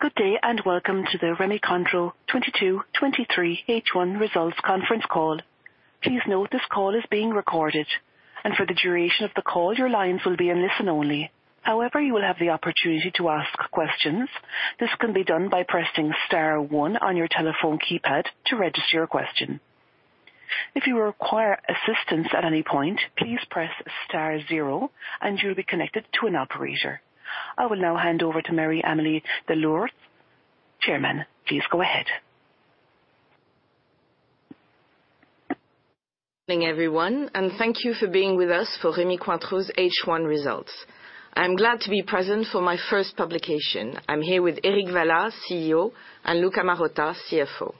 Good day. Welcome to the Rémy Cointreau 2022, 2023 H1 result conference call. Please note this call is being recorded, and for the duration of the call, your lines will be in listen only. However, you will have the opportunity to ask questions. This can be done by pressing star one on your telephone keypad to register your question. If you require assistance at any point, please press star zero, and you will be connected to an operator. I will now hand over to Marie-Amélie de Leusse, Chairman. Please go ahead. Good morning, everyone, and thank you for being with us for Rémy Cointreau's H1 results. I'm glad to be present for my first publication. I'm here with Eric Vallat, CEO, and Luca Marotta, CFO.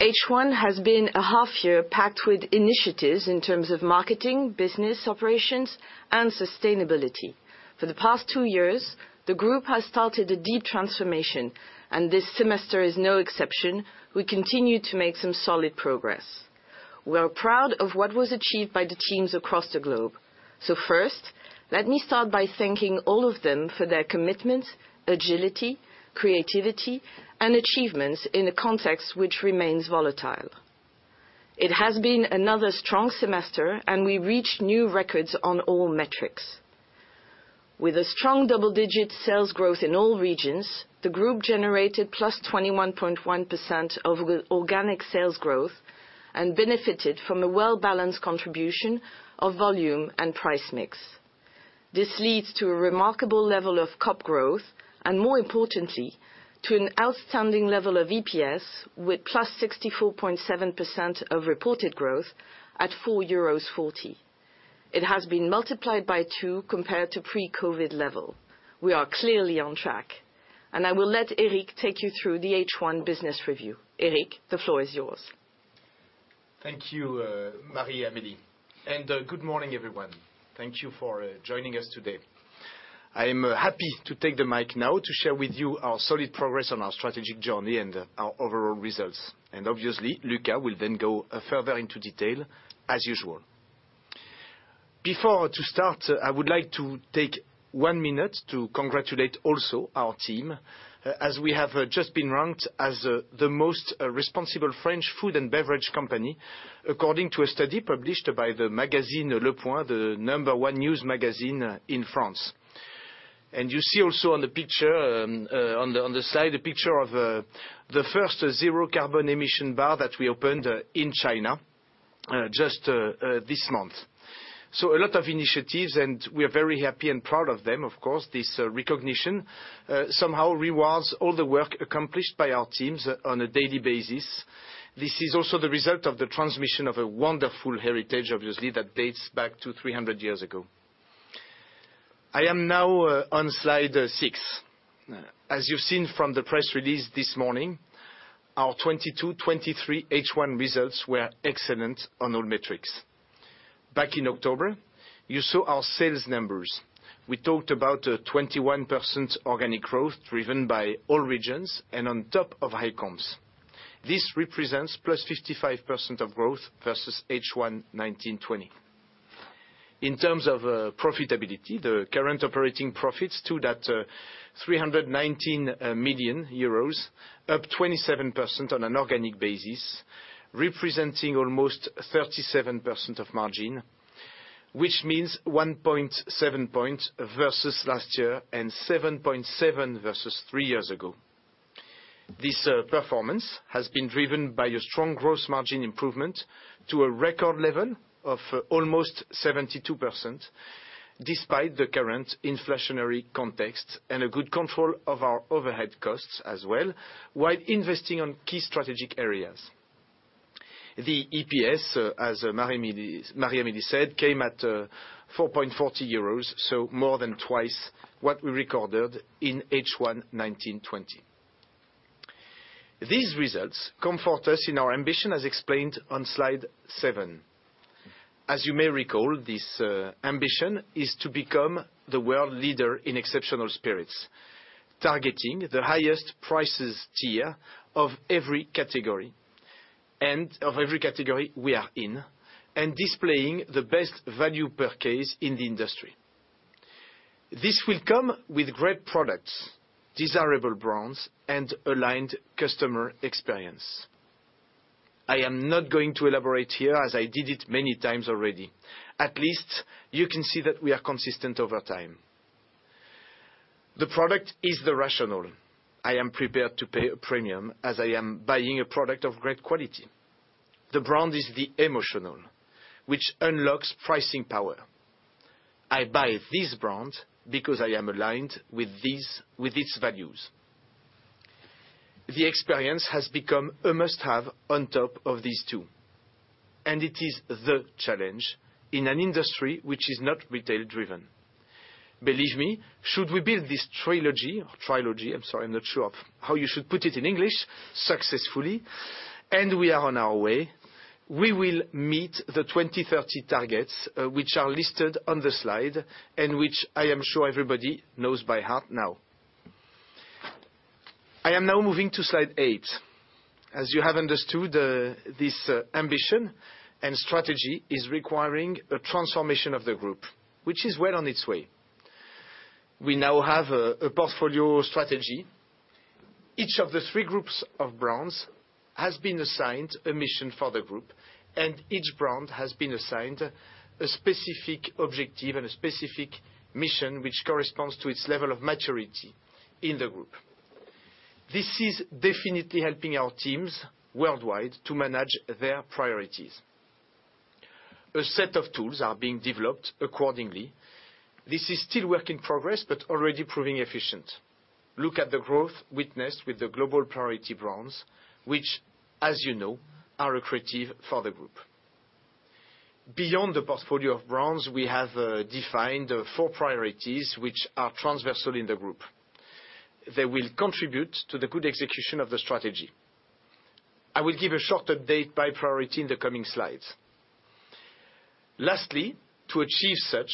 H1 has been a half year packed with initiatives in terms of marketing, business, operations, and sustainability. For the past two years, the group has started a deep transformation, and this semester is no exception. We continue to make some solid progress. We are proud of what was achieved by the teams across the globe. First, let me start by thanking all of them for their commitment, agility, creativity, and achievements in a context which remains volatile. It has been another strong semester, and we reached new records on all metrics. With a strong double-digit sales growth in all regions, the group generated +21.1% of organic sales growth and benefited from a well-balanced contribution of volume and price mix. This leads to a remarkable level of COP growth and, more importantly, to an outstanding level of EPS with +64.7% of reported growth at 4.40 euros. It has been multiplied by 2x compared to pre-COVID level. I will let Eric take you through the H1 business review. Eric, the floor is yours. Thank you, Marie-Amélie. Good morning, everyone. Thank you for joining us today. I'm happy to take the mic now to share with you our solid progress on our strategic journey and our overall results. Obviously, Luca will then go further into detail as usual. Before to start, I would like to take one minute to congratulate also our team as we have just been ranked as the most responsible French food and beverage company according to a study published by the magazine Le Point, the number one news magazine in France. You see also on the picture, on the side picture of the first zero carbon emission bar that we opened in China just this month. A lot of initiatives, and we are very happy and proud of them, of course. This recognition somehow rewards all the work accomplished by our teams on a daily basis. This is also the result of the transmission of a wonderful heritage, obviously, that dates back to 300 years ago. I am now on slide six. As you've seen from the press release this morning, our 2022-2023 H1 results were excellent on all metrics. Back in October, you saw our sales numbers. We talked about 21% organic growth driven by all regions and on top of high comps. This represents +55% of growth versus H1 2019-2020. In terms of profitability, the current operating profits to that 319 million euros, up 27% on an organic basis, representing almost 37% of margin, which means 1.7 points versus last year and 7.7 points versus three years ago. This performance has been driven by a strong gross margin improvement to a record level of almost 72%, despite the current inflationary context and a good control of our overhead costs as well, while investing on key strategic areas. The EPS, as Marie-Amélie said, came at 4.40 euros, so more than twice what we recorded in H1 2019-2020. These results comfort us in our ambition, as explained on slide seven. As you may recall, this ambition is to become the world leader in exceptional spirits, targeting the highest prices tier of every category and of every category we are in and displaying the best value per case in the industry. This will come with great products, desirable brands, and aligned customer experience. I am not going to elaborate here as I did it many times already. At least you can see that we are consistent over time. The product is the rational. I am prepared to pay a premium as I am buying a product of great quality. The brand is the emotional, which unlocks pricing power. I buy this brand because I am aligned with its values. The experience has become a must-have on top of these two, It is the challenge in an industry which is not retail-driven. Believe me, should we build this trilogy, I'm sorry, I'm not sure of how you should put it in English, successfully, we are on our way. We will meet the 2030 targets, which are listed on the slide, and which I am sure everybody knows by heart now. I am now moving to slide eight. As you have understood, this ambition and strategy is requiring a transformation of the group, which is well on its way. We now have a portfolio strategy. Each of the three groups of brands has been assigned a mission for the group, and each brand has been assigned a specific objective and a specific mission which corresponds to its level of maturity in the group. This is definitely helping our teams worldwide to manage their priorities. A set of tools are being developed accordingly. This is still work in progress, but already proving efficient. Look at the growth witnessed with the global priority brands, which as you know, are accretive for the group. Beyond the portfolio of brands, we have defined four priorities which are transversal in the group. They will contribute to the good execution of the strategy. I will give a short update by priority in the coming slides. Lastly, to achieve such,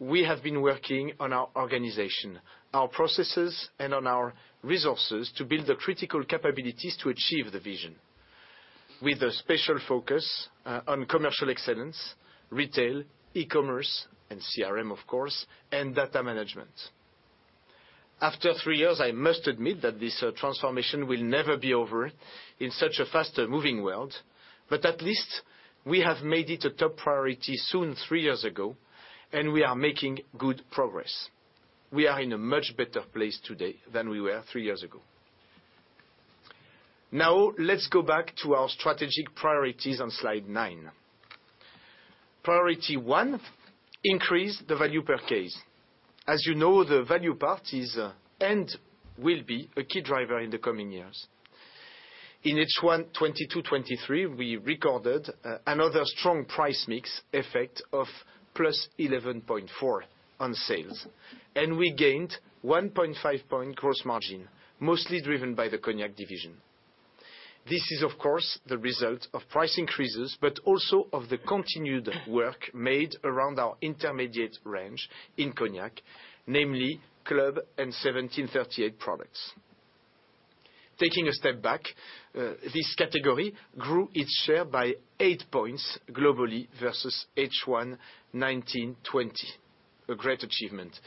we have been working on our organization, our processes, and on our resources to build the critical capabilities to achieve the vision. With a special focus on commercial excellence, retail, e-commerce, and CRM of course, and data management. After three years, I must admit that this transformation will never be over in such a fast moving world. At least we have made it a top priority soon three years ago, and we are making good progress. We are in a much better place today than we were three years ago. Now let's go back to our strategic priorities on slide nine. Priority one, increase the value per case. As you know, the value part is and will be a key driver in the coming years. In H1 2022-2023, we recorded another strong price mix effect of +11.4% on sales, and we gained 1.5 percentage points gross margin, mostly driven by the Cognac division. This is, of course, the result of price increases, but also of the continued work made around our intermediate range in Cognac, namely CLUB and 1738 products. Taking a step back, this category grew its share by 8 percentage points globally versus H1 2019-2020. A great achievement,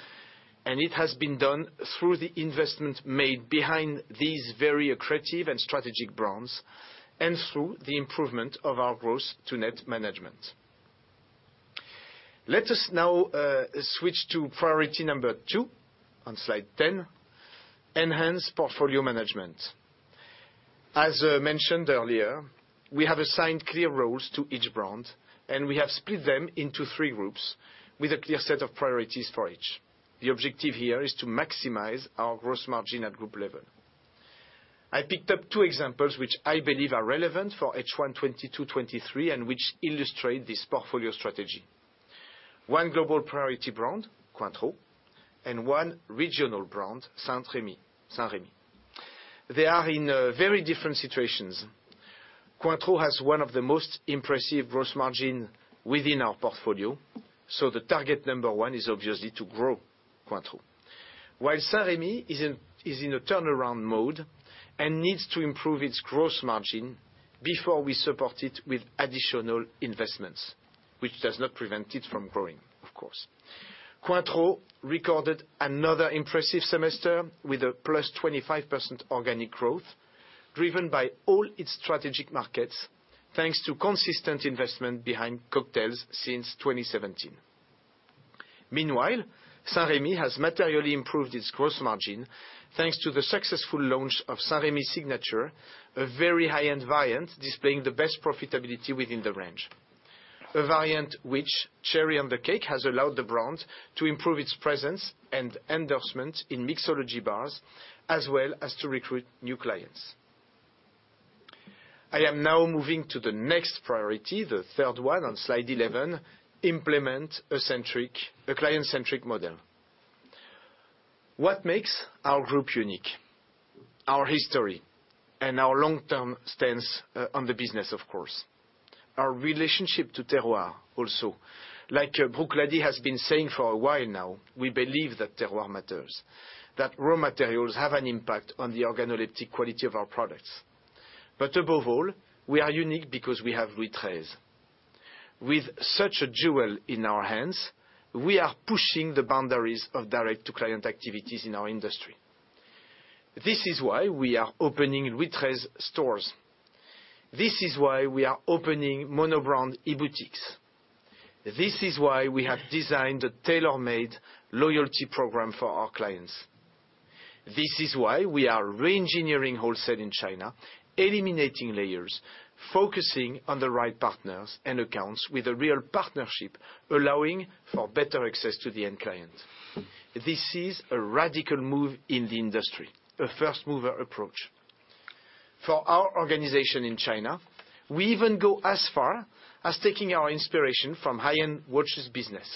it has been done through the investment made behind these very accretive and strategic brands, and through the improvement of our gross to net management. Let us now switch to priority number two on slide 10, enhance portfolio management. As mentioned earlier, we have assigned clear roles to each brand, we have split them into three groups with a clear set of priorities for each. The objective here is to maximize our gross margin at group level. I picked up two examples which I believe are relevant for H1 2022-2023, and which illustrate this portfolio strategy. One global priority brand, Cointreau, and one regional brand, St-Rémy. They are in very different situations. Cointreau has one of the most impressive gross margin within our portfolio, so the target number one is obviously to grow Cointreau. While St-Rémy is in a turnaround mode and needs to improve its gross margin before we support it with additional investments, which does not prevent it from growing, of course. Cointreau recorded another impressive semester with a +25% organic growth, driven by all its strategic markets, thanks to consistent investment behind cocktails since 2017. Meanwhile, St-Rémy has materially improved its gross margin thanks to the successful launch of St-Rémy Signature, a very high-end variant displaying the best profitability within the range. A variant which, cherry on the cake, has allowed the brand to improve its presence and endorsement in mixology bars, as well as to recruit new clients. I am now moving to the next priority, the third one on slide 11, implement a client-centric model. What makes our group unique? Our history and our long-term stance on the business, of course. Our relationship to terroir also. Like Bruichladdich has been saying for a while now, we believe that terroir matters, that raw materials have an impact on the organoleptic quality of our products. Above all, we are unique because we have Retraites. With such a jewel in our hands, we are pushing the boundaries of direct-to-client activities in our industry. This is why we are opening Retraites stores. This is why we are opening monobrand e-boutiques. This is why we have designed a tailor-made loyalty program for our clients. This is why we are re-engineering wholesale in China, eliminating layers, focusing on the right partners and accounts with a real partnership, allowing for better access to the end client. This is a radical move in the industry, a first-mover approach. For our organization in China, we even go as far as taking our inspiration from high-end watches business.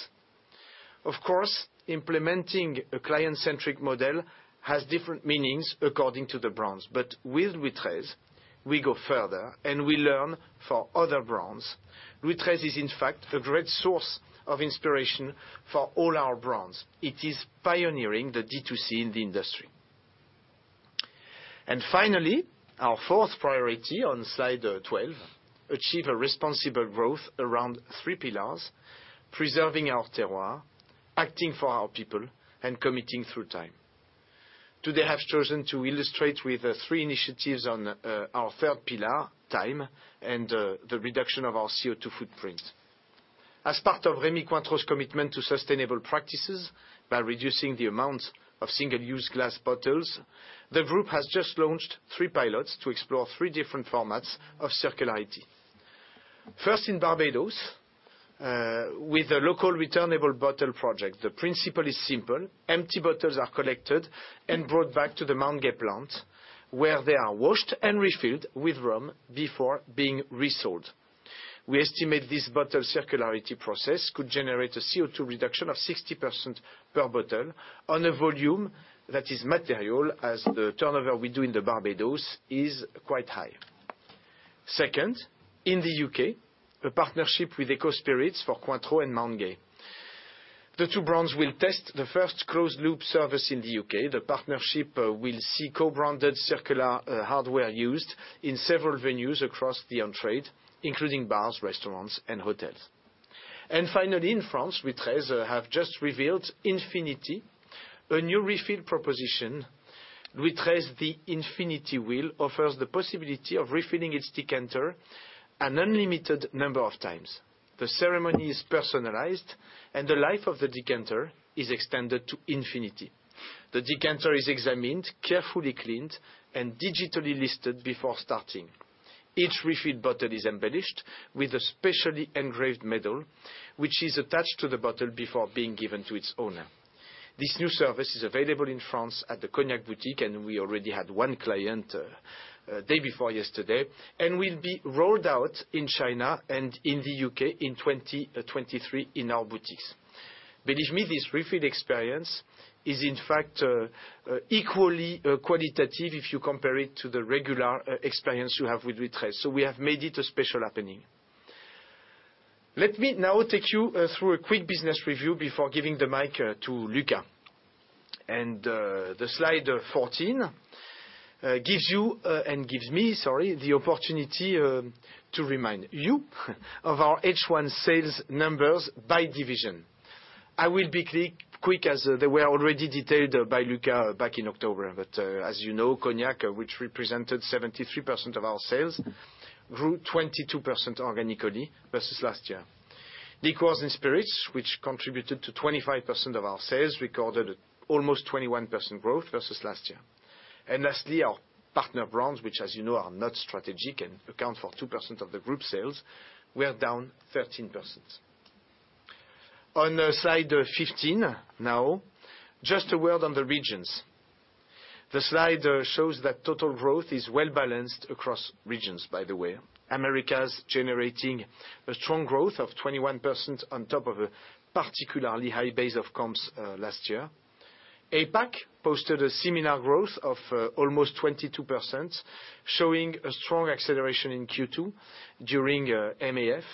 Implementing a client-centric model has different meanings according to the brands. With LOUIS XIII, we go further, and we learn from other brands. LOUIS XIII is in fact a great source of inspiration for all our brands. It is pioneering the D2C in the industry. Finally, our fourth priority on slide 12, achieve a responsible growth around three pillars, preserving our terroir, acting for our people, and committing through time. Today, I have chosen to illustrate with three initiatives on our third pillar, time, and the reduction of our CO2 footprint. As part of Rémy Cointreau's commitment to sustainable practices, by reducing the amount of single-use glass bottles, the group has just launched three pilots to explore three different formats of circularity. First, in Barbados, with a local returnable bottle project. The principle is simple. Empty bottles are collected and brought back to the Mount Gay plant, where they are washed and refilled with rum before being resold. We estimate this bottle circularity process could generate a CO2 reduction of 60% per bottle on a volume that is material, as the turnover we do in Barbados is quite high. In the U.K., a partnership with ecoSPIRITS for Cointreau and Mount Gay. The two brands will test the first closed loop service in the U.K. The partnership will see co-branded circular hardware used in several venues across the on-trade, including bars, restaurants, and hotels. Finally, in France, LOUIS XIII have just revealed Infinity, a new refill proposition. LOUIS XIII THE INFINITY WHEEL offers the possibility of refilling its decanter an unlimited number of times. The ceremony is personalized, and the life of the decanter is extended to infinity. The decanter is examined, carefully cleaned, and digitally listed before starting. Each refill bottle is embellished with a specially engraved medal, which is attached to the bottle before being given to its owner. This new service is available in France at the cognac boutique, and we already had one client, day before yesterday, and will be rolled out in China and in the U.K. in 2023 in our boutiques. Believe me, this refill experience is, in fact, equally qualitative if you compare it to the regular experience you have with LOUIS XIII. We have made it a special happening. Let me now take you through a quick business review before giving the mic to Luca. The slide 14 gives you and gives me, sorry, the opportunity to remind you of our H1 sales numbers by division. I will be quick as they were already detailed by Luca back in October. As you know, Cognac, which represented 73% of our sales, grew 22% organically versus last year. Liqueurs & Spirits, which contributed to 25% of our sales, recorded almost 21% growth versus last year. Lastly, our Partner Brands, which as you know, are not strategic and account for 2% of the group sales, were down 13%. On slide 15 now, just a word on the regions. The slide shows that total growth is well balanced across regions, by the way. Americas generating a strong growth of 21% on top of a particularly high base of comps last year. APAC posted a similar growth of, almost 22%, showing a strong acceleration in Q2 during MAF.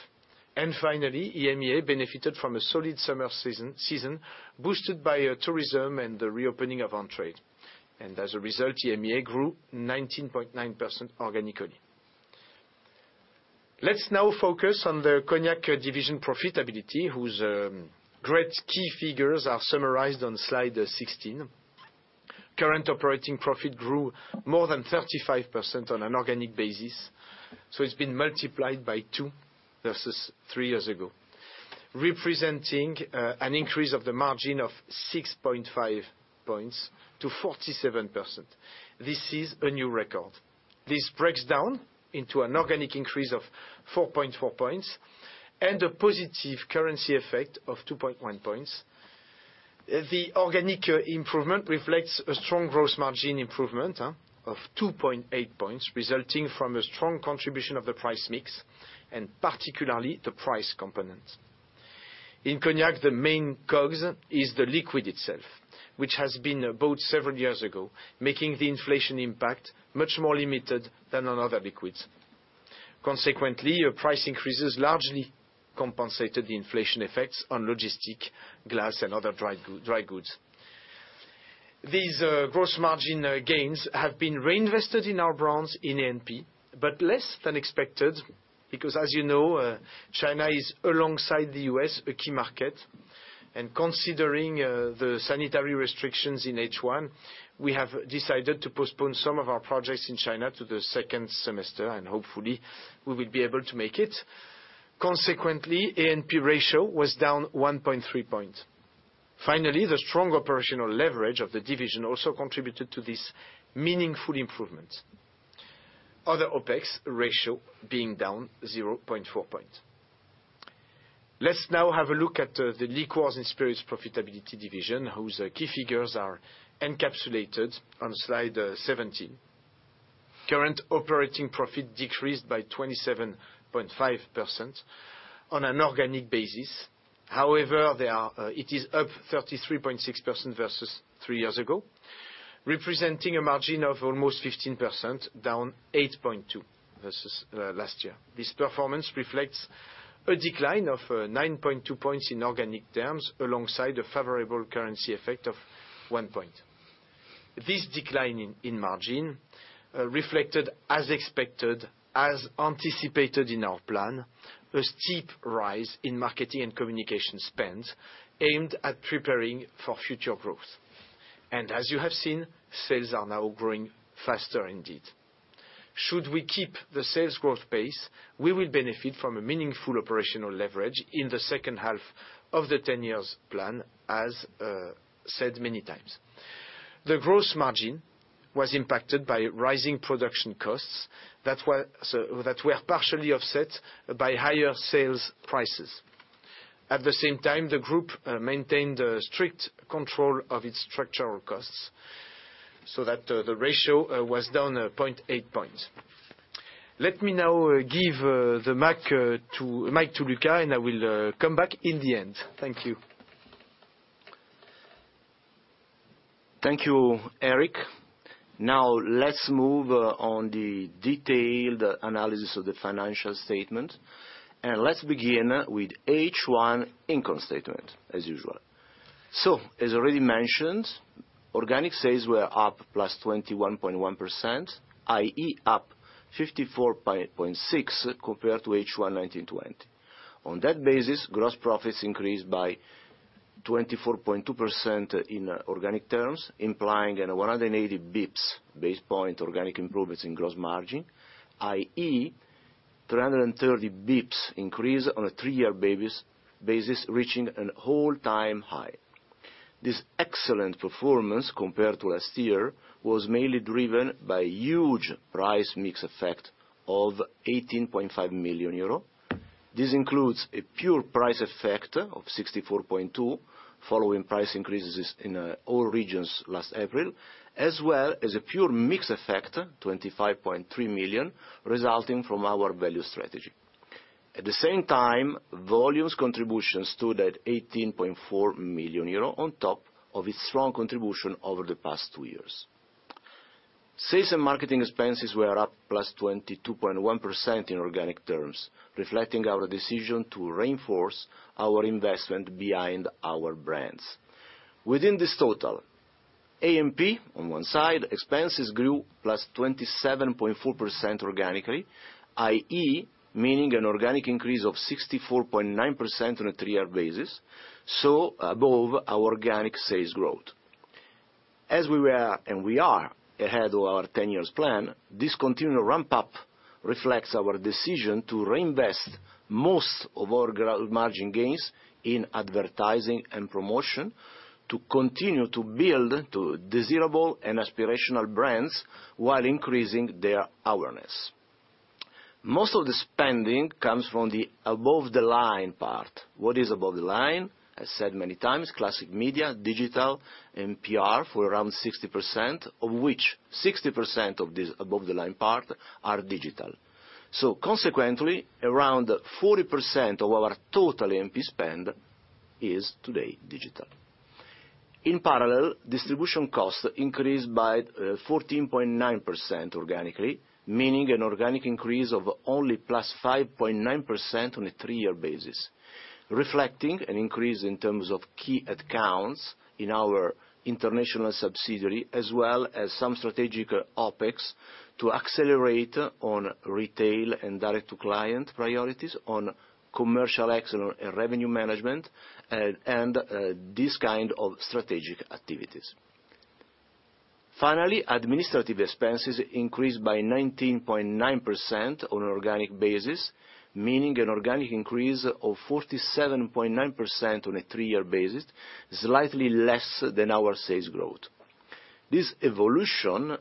Finally, EMEA benefited from a solid summer season boosted by tourism and the reopening of on-trade. As a result, EMEA grew 19.9% organically. Let's now focus on the Cognac division profitability, whose great key figures are summarized on slide 16. Current operating profit grew more than 35% on an organic basis, so it's been multiplied by 2x versus three years ago, representing an increase of the margin of 6.5 points to 47%. This is a new record. This breaks down into an organic increase of 4.4 points and a positive currency effect of 2.1 points. The organic improvement reflects a strong gross margin improvement of 2.8 points, resulting from a strong contribution of the price mix and particularly the price component. In Cognac, the main COGS is the liquid itself, which has been bought several years ago, making the inflation impact much more limited than on other liquids. Consequently, price increases largely compensated the inflation effects on logistic, glass, and other dry goods. These gross margin gains have been reinvested in our brands in A&P, but less than expected, because as you know, China is alongside the U.S., a key market. Considering the sanitary restrictions in H1, we have decided to postpone some of our projects in China to the second semester, and hopefully we will be able to make it. Consequently, A&P ratio was down 1.3 points. Finally, the strong operational leverage of the division also contributed to this meaningful improvement. Other OpEx ratio being down 0.4 points. Let's now have a look at the Liqueurs & Spirits profitability division, whose key figures are encapsulated on slide 17. Current operating profit decreased by 27.5% on an organic basis. However, it is up 33.6% versus three years ago, representing a margin of almost 15%, down 8.2 points versus last year. This performance reflects a decline of 9.2 points in organic terms alongside a favorable currency effect of 1 point. This decline in margin reflected as expected, as anticipated in our plan, a steep rise in marketing and communication spends aimed at preparing for future growth. As you have seen, sales are now growing faster indeed. Should we keep the sales growth pace, we will benefit from a meaningful operational leverage in the second half of the 10-year plan, as said many times. The growth margin was impacted by rising production costs that were partially offset by higher sales prices. At the same time, the group maintained a strict control of its structural costs so that the ratio was down 0.8 points. Let me now give the mic to Luca, and I will come back in the end. Thank you. Thank you, Eric. Let's move on the detailed analysis of the financial statement, and let's begin with H1 income statement as usual. As already mentioned, organic sales were up +21.1%, i.e., up 54.6% compared to H1 2019-2020. On that basis, gross profits increased by 24.2% in organic terms, implying a 180 basis points organic improvements in gross margin, i.e., 330 basis points increase on a three-year basis, reaching an all-time high. This excellent performance compared to last year was mainly driven by huge price mix effect of 18.5 million euro. This includes a pure price effect of 64.2 million following price increases in all regions last April, as well as a pure mix effect, 25.3 million, resulting from our value strategy. At the same time, volumes contribution stood at 18.4 million euro on top of its strong contribution over the past two years. Sales and marketing expenses were up +22.1% in organic terms, reflecting our decision to reinforce our investment behind our brands. Within this total, A&P, on one side, expenses grew +27.4% organically, i.e., meaning an organic increase of 64.9% on a three-year basis, so above our organic sales growth. We were and we are ahead of our 10-year plan, this continual ramp-up reflects our decision to reinvest most of our gross margin gains in advertising and promotion to continue to build to desirable and aspirational brands while increasing their awareness. Most of the spending comes from the above-the-line part. What is above the line? I said many times, classic media, digital, and PR for around 60%, of which 60% of this above-the-line part are digital. Consequently, around 40% of our total A&P spend is today digital. In parallel, distribution costs increased by 14.9% organically, meaning an organic increase of only +5.9% on a three-year basis, reflecting an increase in terms of key accounts in our international subsidiary as well as some strategic OpEx to accelerate on retail and direct-to-client priorities on commercial excellence and revenue management and this kind of strategic activities. Finally, administrative expenses increased by 19.9% on an organic basis, meaning an organic increase of 47.9% on a three-year basis, slightly less than our sales growth. This evolution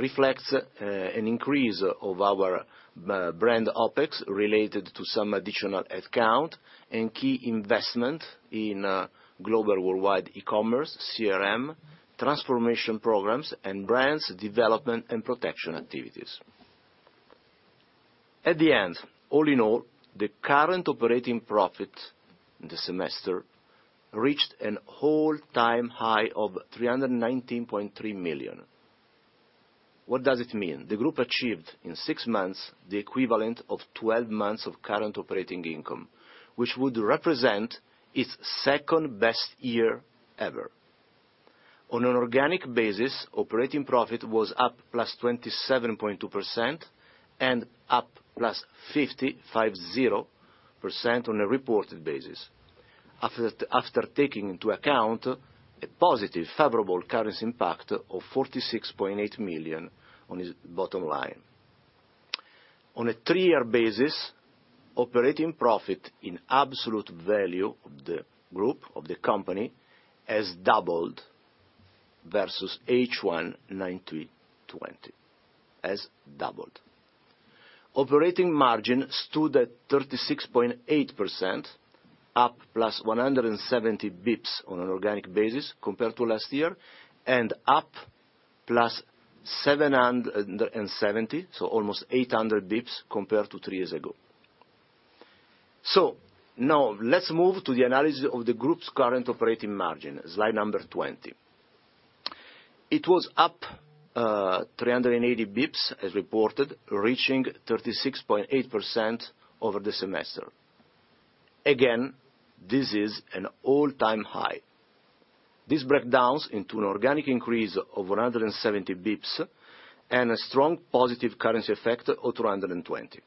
reflects an increase of our brand OpEx related to some additional account and key investment in global worldwide e-commerce, CRM, transformation programs, and brands development and protection activities. At the end, all in all, the current operating profit in the semester reached an all-time high of 319.3 million. What does it mean? The group achieved in six months the equivalent of 12 months of current operating income, which would represent its second-best year ever. On an organic basis, operating profit was up +27.2% and up +50% on a reported basis after taking into account a positive favorable currency impact of 46.8 million on its bottom line. On a three-year basis, operating profit in absolute value of the group, of the company, has doubled versus H1 2019-2020, has doubled. Operating margin stood at 36.8%, up +170 basis points on an organic basis compared to last year, and up +770, so almost 800 basis points, compared to three years ago. Now let's move to the analysis of the group's current operating margin, slide number 20. It was up 380 basis points as reported, reaching 36.8% over the semester. Again, this is an all-time high. This breakdowns into an organic increase of 170 basis points and a strong positive currency effect of 220.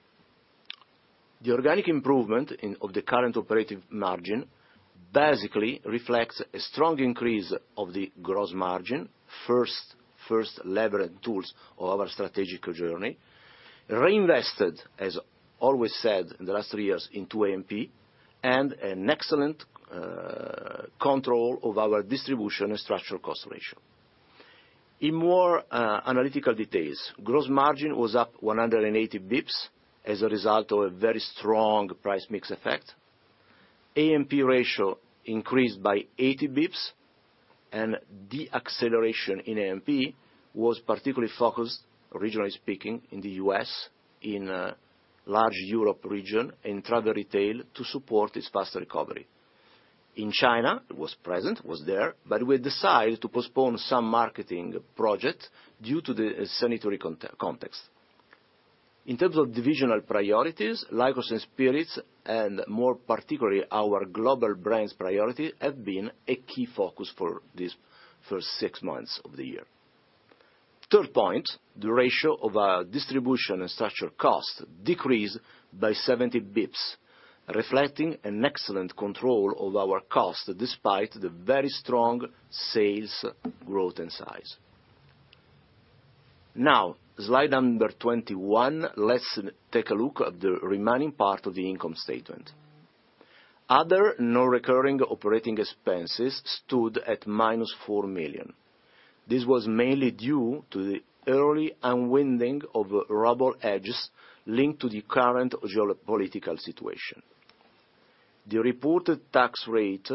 The organic improvement of the current operating margin basically reflects a strong increase of the gross margin, first lever and tools of our strategic journey, reinvested, as always said in the last three years in two A&P, and an excellent control of our distribution and structural cost ratio. In more analytical details, gross margin was up 180 basis points as a result of a very strong price mix effect. A&P ratio increased by 80 basis points. Deceleration in A&P was particularly focused, regionally speaking, in the U.S., in large Europe region, and travel retail to support its faster recovery. In China, it was present, it was there, we decided to postpone some marketing project due to the sanitary context. In terms of divisional priorities, Liqueurs & Spirits, and more particularly our global brands priority have been a key focus for this first six months of the year. Third point. The ratio of our distribution and structural costs decreased by 70 basis points, reflecting an excellent control of our costs despite the very strong sales growth and size. Slide number 21, let's take a look at the remaining part of the income statement. Other non-recurring operating expenses stood at -4 million. This was mainly due to the early unwinding of rouble hedges linked to the current geopolitical situation. The reported tax rate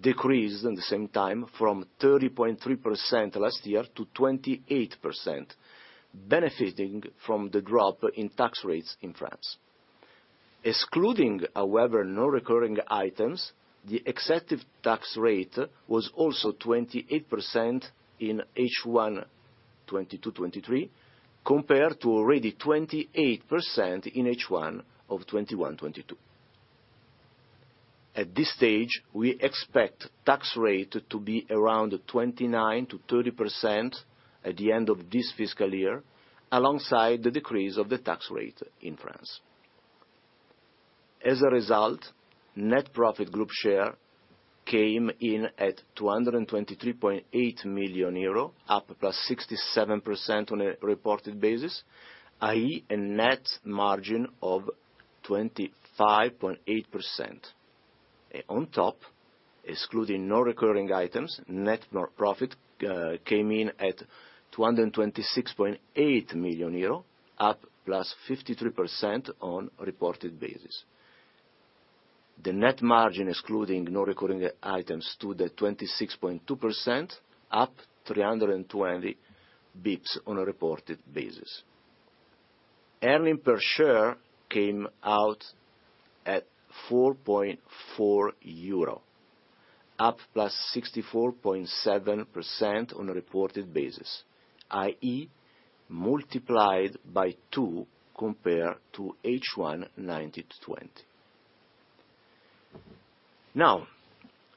decreased at the same time from 30.3% last year to 28%, benefiting from the drop in tax rates in France. Excluding, however, non-recurring items, the accepted tax rate was also 28% in H1 2022-2023 compared to already 28% in H1 2021-2022. At this stage, we expect tax rate to be around 29%-30% at the end of this fiscal year, alongside the decrease of the tax rate in France. As a result, net profit group share came in at 223.8 million euro, up +67% on a reported basis, i.e. a net margin of 25.8%. On top, excluding non-recurring items, net profit came in at 226.8 million, up +53% on a reported basis. The net margin excluding non-recurring items stood at 26.2%, up 320 basis points on a reported basis. Earnings per share came out at 4.4 euro, up +64.7% on a reported basis, i.e., multiplied by 2x compared to H1 2019-2020.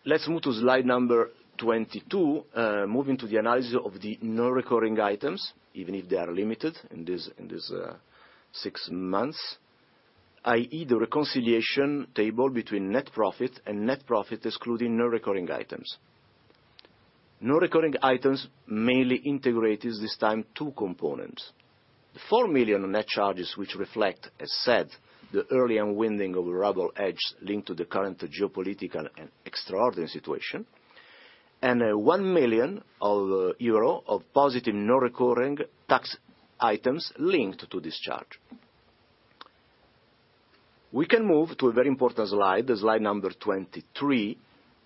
Let's move to slide number 22, moving to the analysis of the non-recurring items, even if they are limited in this six months, i.e., the reconciliation table between net profit and net profit excluding non-recurring items. Non-recurring items mainly integrated this time two components. The 4 million net charges, which reflect, as said, the early unwinding of rouble hedges linked to the current geopolitical and extraordinary situation, and 1 million euro of positive non-recurring tax items linked to this charge. We can move to a very important slide number 23,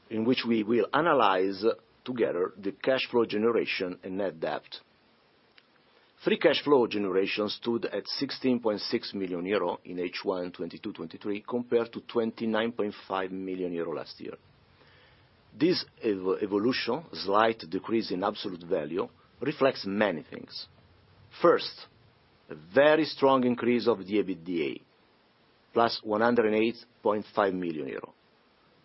in which we will analyze together the cash flow generation and net debt. Free cash flow generation stood at 16.6 million euro in H1 2022, 2023 compared to 29.5 million euro last year. This evolution, slight decrease in absolute value, reflects many things. First, a very strong increase of the EBITDA, +108.5 million euro,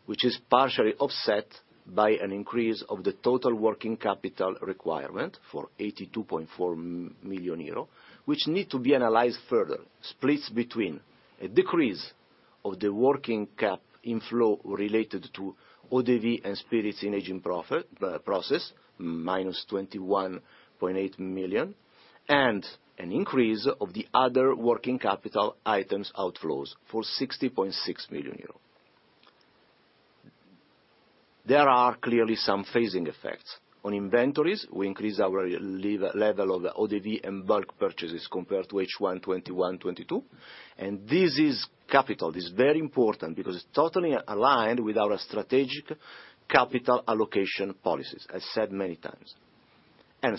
which is partially offset by an increase of the total working capital requirement for 82.4 million euro, which need to be analyzed further, splits between a decrease of the working cap inflow related to eaux-de-vie and spirits in aging profit process, -21.8 million, and an increase of the other working capital items outflows for 60.6 million euros. There are clearly some phasing effects. On inventories, we increase our level of the eaux-de-vie and bulk purchases compared to H1 2021-2022. This is capital. This is very important because it's totally aligned with our strategic capital allocation policies, I said many times.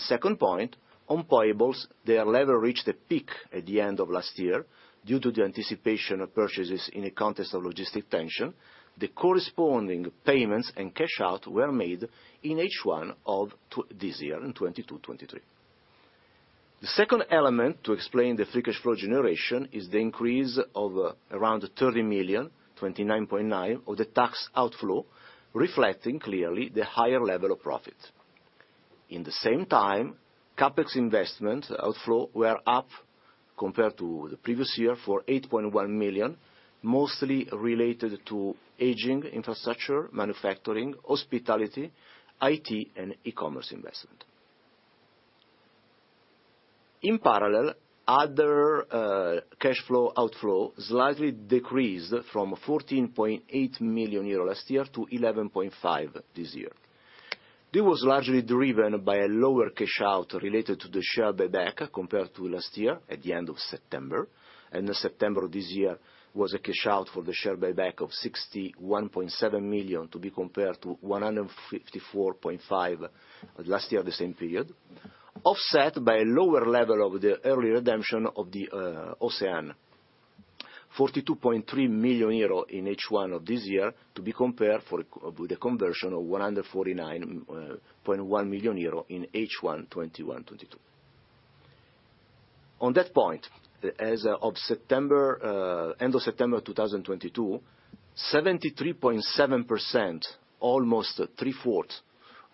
Second point, on payables, their level reached a peak at the end of last year due to the anticipation of purchases in the context of logistic tension. The corresponding payments and cash out were made in H1 of this year, in 2022-2023. The second element to explain the free cash flow generation is the increase of around 30 million, 29.9 million, of the tax outflow, reflecting clearly the higher level of profit. In the same time, CapEx investment outflow were up compared to the previous year for 8.1 million, mostly related to aging infrastructure, manufacturing, hospitality, IT, and e-commerce investment. In parallel, other cash flow outflow slightly decreased from 14.8 million euro last year to 11.5 million this year. This was largely driven by a lower cash out related to the share buyback compared to last year at the end of September. September this year was a cash out for the share buyback of 61.7 million, to be compared to 154.5 million last year at the same period, offset by a lower level of the early redemption of the OCEANE, 42.3 million euro in H1 of this year to be compared for, with a conversion of 149.1 million euro in H1 2021-2022. On that point, as of September, end of September 2022, 73.7%, almost 3/4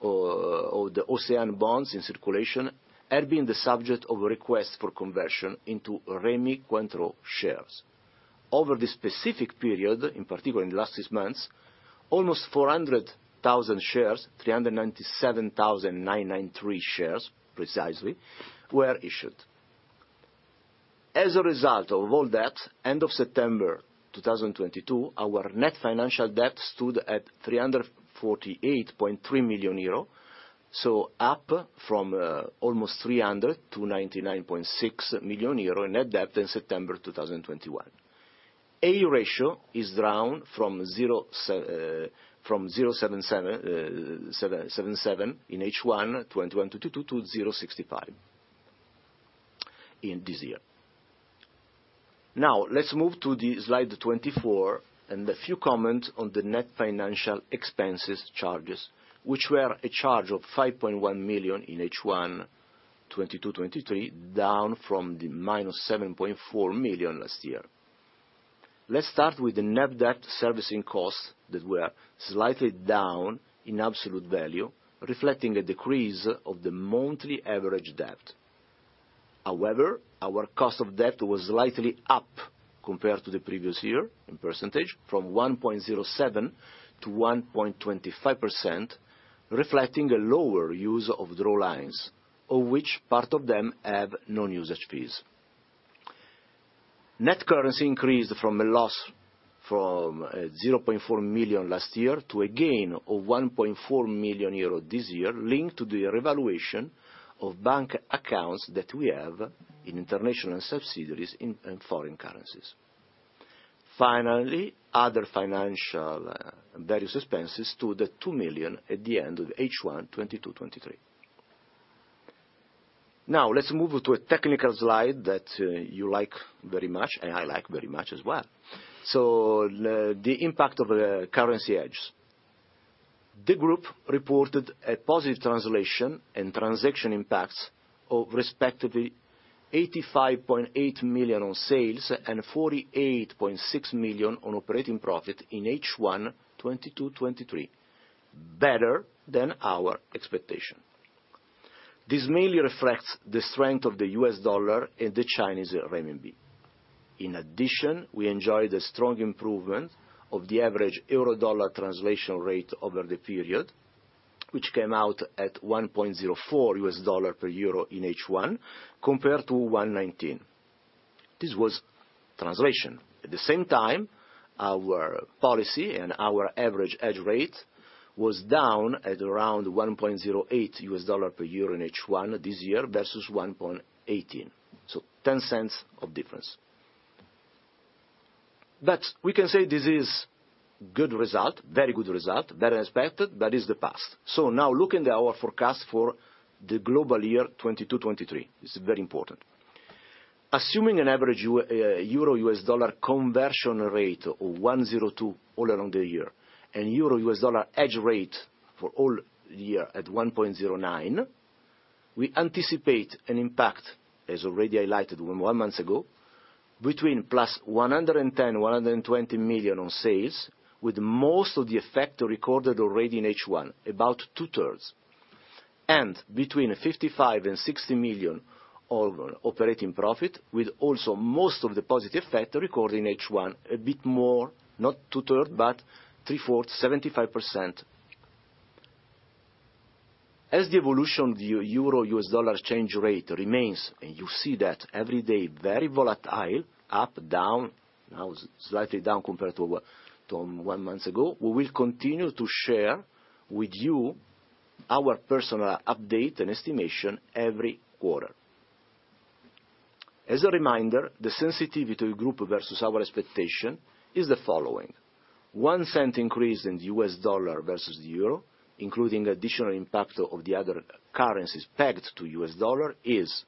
of the OCEANE bonds in circulation had been the subject of request for conversion into Rémy Cointreau shares. Over the specific period, in particular in the last six months, almost 400,000 shares, 397,993 shares precisely, were issued. As a result of all that, end of September 2022, our net financial debt stood at 348.3 million euro, up from almost 399.6 million euro in net debt in September 2021. AE ratio is down from 0.77 in H1 2021 to 0.65 in this year. Let's move to the slide 24, and a few comments on the net financial expenses charges, which were a charge of 5.1 million in H1 2023, down from the -7.4 million last year. Let's start with the net debt servicing costs that were slightly down in absolute value, reflecting a decrease of the monthly average debt. Our cost of debt was slightly up compared to the previous year in percentage from 1.07%-1.25%, reflecting a lower use of draw lines of which part of them have no usage fees. Net currency increased from a loss from 0.4 million last year to a gain of 1.4 million euro this year linked to the revaluation of bank accounts that we have in international subsidiaries in foreign currencies. Other financial various expenses stood at 2 million at the end of H1 2022-2023. Let's move to a technical slide that you like very much, and I like very much as well. The impact of the currency hedge. The group reported a positive translation and transaction impacts of respectively 85.8 million on sales and 48.6 million on operating profit in H1 2022-2023, better than our expectation. This mainly reflects the strength of the U.S. dollar and the Chinese renminbi. In addition, we enjoyed a strong improvement of the average euro-dollar translation rate over the period, which came out at $1.04 U.S. dollar per euro in H1 compared to $1.19. This was translation. At the same time, our policy and our average hedge rate was down at around $1.08 U.S. dollar per euro in H1 this year versus $1.18, so $0.10 of difference. We can say this is good result, very good result, better than expected. That is the past. Now looking at our forecast for the global year 2022-2023. This is very important. Assuming an average euro-U.S. dollar conversion rate of $1.02 all along the year and euro-U.S. dollar hedge rate for all year at $1.09, we anticipate an impact, as already highlighted one month ago, between +110 million-120 million on sales, with most of the effect recorded already in H1, about 2/3, and between 55 million-60 million of operating profit, with also most of the positive effect recorded in H1, a bit more, not 2/3, but 3/4, 75%. The evolution, the euro-U.S. dollar exchange rate remains, and you see that every day, very volatile, up, down. Now slightly down compared to one month ago. We will continue to share with you our personal update and estimation every quarter. As a reminder, the sensitivity group versus our expectation is the following. $0.01 increase in the U.S. dollar versus the euro, including additional impact of the other currencies pegged to U.S. dollar, is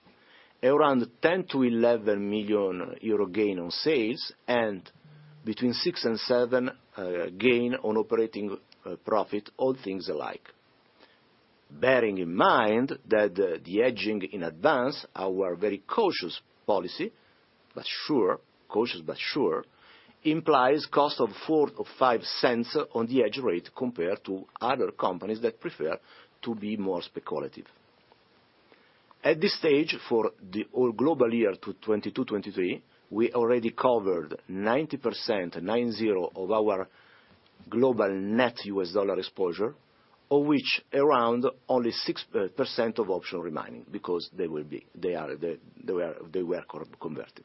around 10 million-11 million euro gain on sales, and between 6 million and 7 million gain on operating profit, all things alike. Bearing in mind that the hedging in advance, our very cautious policy, cautious but sure, implies cost of $0.04-$0.05 on the hedge rate compared to other companies that prefer to be more speculative. At this stage, for the all global year to 2022-2023, we already covered 90% of our global net U.S. dollar exposure, of which around only 6% of option remaining because they were converted.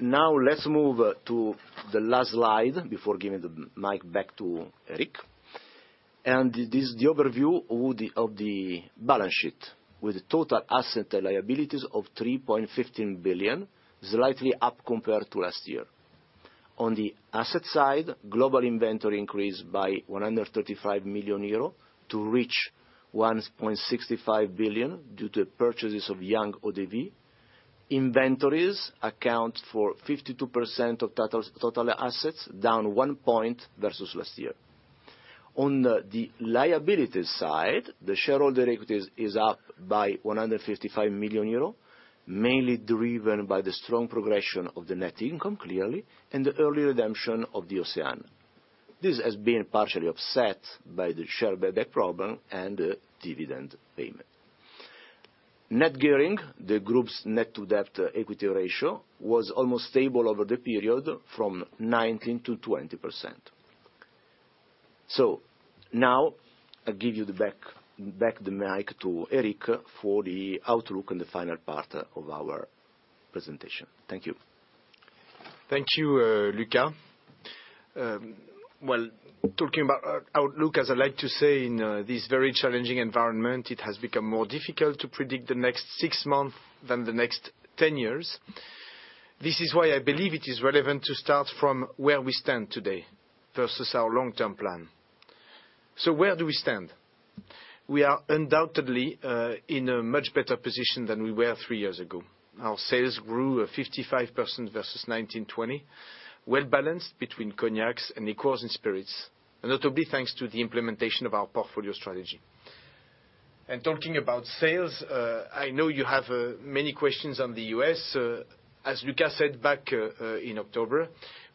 Now let's move to the last slide before giving the mic back to Eric. This is the overview of the balance sheet with total asset and liabilities of 3.15 billion, slightly up compared to last year. On the asset side, global inventory increased by 135 million euro to reach 1.65 billion due to purchases of young eaux-de-vie. Inventories account for 52% of total assets, down 1 point versus last year. On the liabilities side, the shareholder equities is up by 155 million euro, mainly driven by the strong progression of the net income, clearly, and the early redemption of the OCEANE. This has been partially upset by the share buyback program and dividend payment. Net gearing, the group's net-to-debt equity ratio, was almost stable over the period from 19%-20%. Now I give you the back the mic to Eric for the outlook and the final part of our presentation. Thank you. Thank you, Luca. Well, talking about our outlook, as I like to say, in this very challenging environment, it has become more difficult to predict the next six months than the next 10 years. This is why I believe it is relevant to start from where we stand today versus our long-term plan. Where do we stand? We are undoubtedly in a much better position than we were three years ago. Our sales grew 55% versus 2019-2020, well balanced between Cognacs and Liqueurs & Spirits, and that will be thanks to the implementation of our portfolio strategy. Talking about sales, I know you have many questions on the U.S. As Luca said back in October,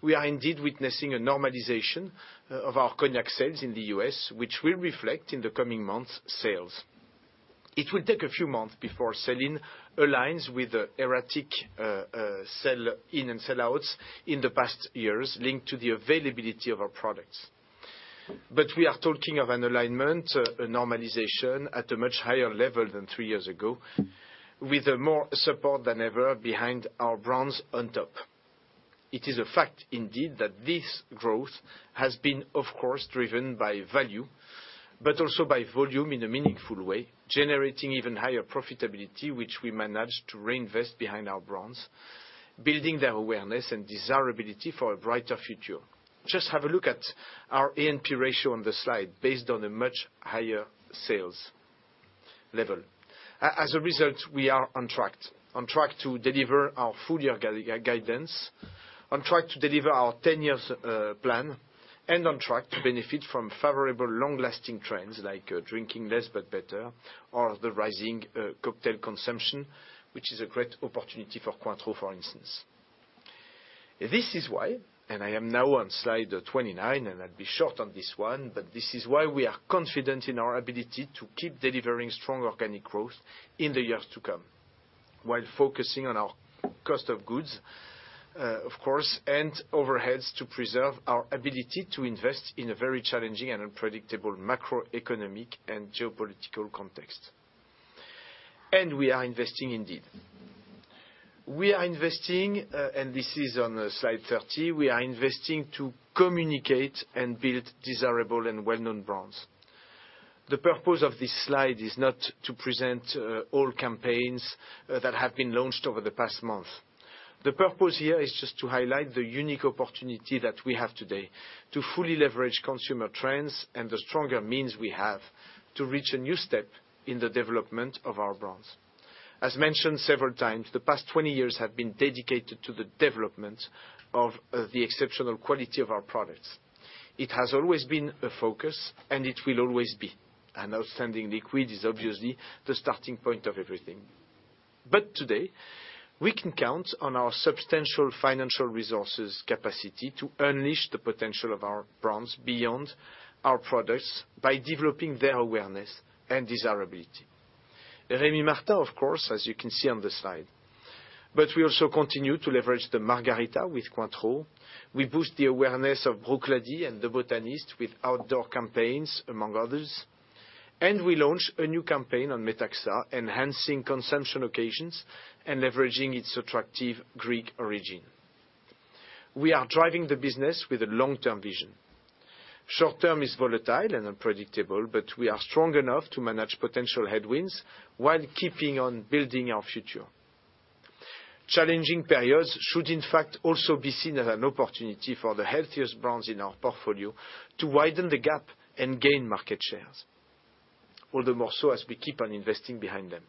we are indeed witnessing a normalization of our Cognac sales in the U.S., which will reflect in the coming months' sales. It will take a few months before selling aligns with the erratic sell in and sellouts in the past years linked to the availability of our products. We are talking of an alignment, a normalization at a much higher level than three years ago, with more support than ever behind our brands on top. It is a fact indeed that this growth has been, of course, driven by value, but also by volume in a meaningful way, generating even higher profitability, which we managed to reinvest behind our brands, building their awareness and desirability for a brighter future. Just have a look at our A&P ratio on the slide based on a much higher sales level. As a result, we are on track. On track to deliver our full year guidance, on track to deliver our 10 years plan, and on track to benefit from favorable long-lasting trends like drinking less but better or the rising cocktail consumption, which is a great opportunity for Cointreau, for instance. This is why, and I am now on slide 29, and I'll be short on this one, but this is why we are confident in our ability to keep delivering strong organic growth in the years to come while focusing on our cost of goods, of course, and overheads to preserve our ability to invest in a very challenging and unpredictable macroeconomic and geopolitical context. We are investing indeed. We are investing, and this is on slide 30. We are investing to communicate and build desirable and well-known brands. The purpose of this slide is not to present all campaigns that have been launched over the past month. The purpose here is just to highlight the unique opportunity that we have today to fully leverage consumer trends and the stronger means we have to reach a new step in the development of our brands. As mentioned several times, the past 20 years have been dedicated to the development of the exceptional quality of our products. It has always been a focus, and it will always be. An outstanding liquid is obviously the starting point of everything. Today, we can count on our substantial financial resources capacity to unleash the potential of our brands beyond our products by developing their awareness and desirability. Rémy Martin, of course, as you can see on the slide. We also continue to leverage the Margarita with Cointreau. We boost the awareness of Bruichladdich and The Botanist with outdoor campaigns, among others. We launch a new campaign on METAXA, enhancing consumption occasions and leveraging its attractive Greek origin. We are driving the business with a long-term vision. Short-term is volatile and unpredictable, but we are strong enough to manage potential headwinds while keeping on building our future. Challenging periods should, in fact, also be seen as an opportunity for the healthiest brands in our portfolio to widen the gap and gain market shares, all the more so as we keep on investing behind them.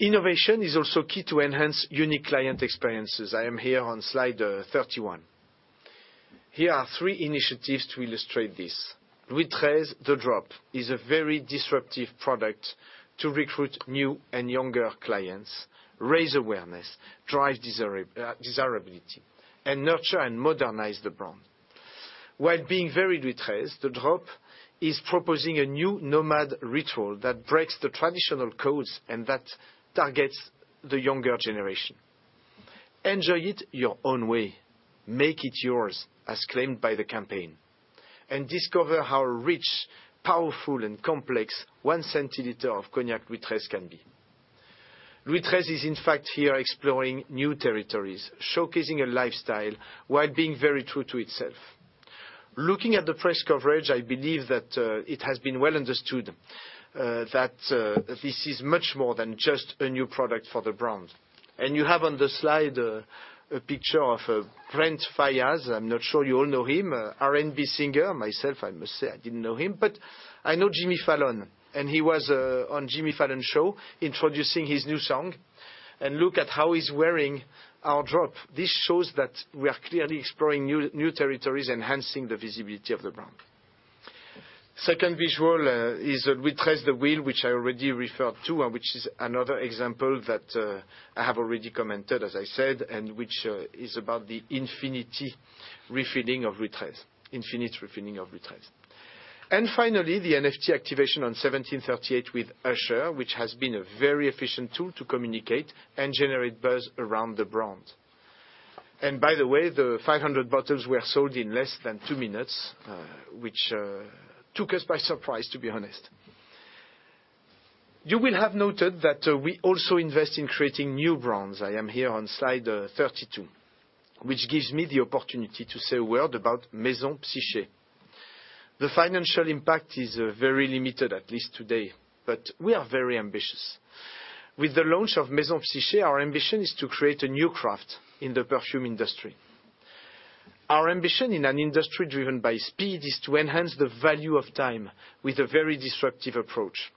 Innovation is also key to enhance unique client experiences. I am here on slide 31. Here are three initiatives to illustrate this. LOUIS XIII, THE DROP, is a very disruptive product to recruit new and younger clients, raise awareness, drive desirability, and nurture and modernize the brand. While being very LOUIS XIII, THE DROP is proposing a new nomad ritual that breaks the traditional codes and that targets the younger generation. Enjoy it your own way. Make it yours, as claimed by the campaign, and discover how rich, powerful, and complex one centiliter of Cognac LOUIS XIII can be. LOUIS XIII is, in fact, here exploring new territories, showcasing a lifestyle while being very true to itself. Looking at the press coverage, I believe that it has been well understood that this is much more than just a new product for the brand. You have on the slide a picture of Brent Faiyaz. I'm not sure you all know him. A R&B singer. Myself, I must say, I didn't know him. I know Jimmy Fallon, and he was on Jimmy Fallon's show introducing his new song. Look at how he's wearing our DROP. This shows that we are clearly exploring new territories, enhancing the visibility of the brand. Second visual is LOUIS XIII THE INFINITY WHEEL, which I already referred to and which is another example that I have already commented, as I said, and which is about the infinity refilling of LOUIS XIII. Infinite refilling of LOUIS XIII. Finally, the NFT activation on 1738 Accord Royal with Usher, which has been a very efficient tool to communicate and generate buzz around the brand. By the way, the 500 bottles were sold in less than two minutes, which took us by surprise, to be honest. You will have noted that we also invest in creating new brands. I am here on slide 32, which gives me the opportunity to say a word about Maison Psyché. The financial impact is very limited, at least today. We are very ambitious. With the launch of Maison Psyché, our ambition is to create a new craft in the perfume industry. Our ambition in an industry driven by speed is to enhance the value of time with a very disruptive approach.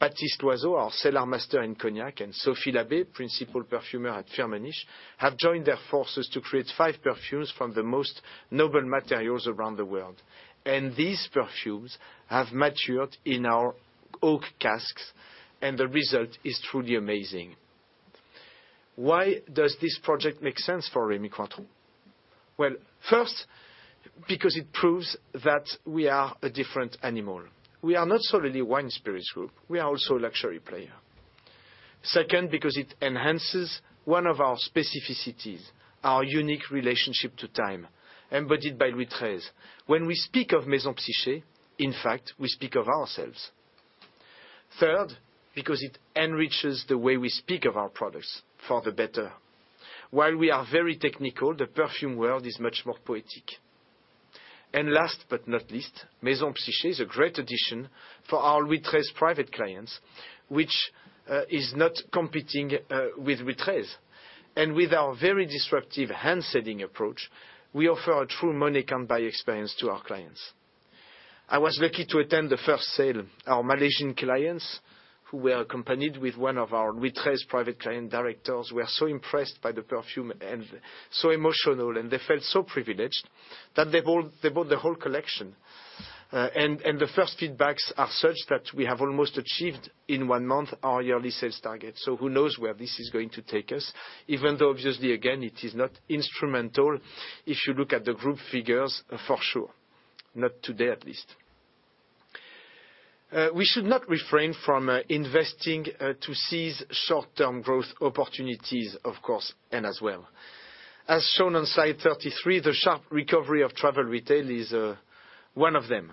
Baptiste Loiseau, our cellar master in Cognac, and Sophie Labbé, Principal Perfumer at Firmenich, have joined their forces to create five perfumes from the most noble materials around the world. These perfumes have matured in our oak casks, and the result is truly amazing. Why does this project make sense for Rémy Cointreau? Well, first, because it proves that we are a different animal. We are not solely wine spirits group. We are also a luxury player. Second, because it enhances one of our specificities, our unique relationship to time, embodied by LOUIS XIII. When we speak of Maison Psyché, in fact, we speak of ourselves. Third, because it enriches the way we speak of our products for the better. While we are very technical, the perfume world is much more poetic. Last but not least, Maison Psyché is a great addition for our LOUIS XIII private clients, which is not competing with LOUIS XIII. With our very disruptive hand-selling approach, we offer a true money-can't-buy experience to our clients. I was lucky to attend the first sale. Our Malaysian clients, who were accompanied with one of our LOUIS XIII private client directors, were so impressed by the perfume and so emotional, and they felt so privileged that they bought the whole collection. The first feedbacks are such that we have almost achieved in one month our yearly sales target. Who knows where this is going to take us, even though obviously, again, it is not instrumental if you look at the group figures for sure. Not today, at least. We should not refrain from investing to seize short-term growth opportunities, of course, and as well. As shown on slide 33, the sharp recovery of travel retail is one of them.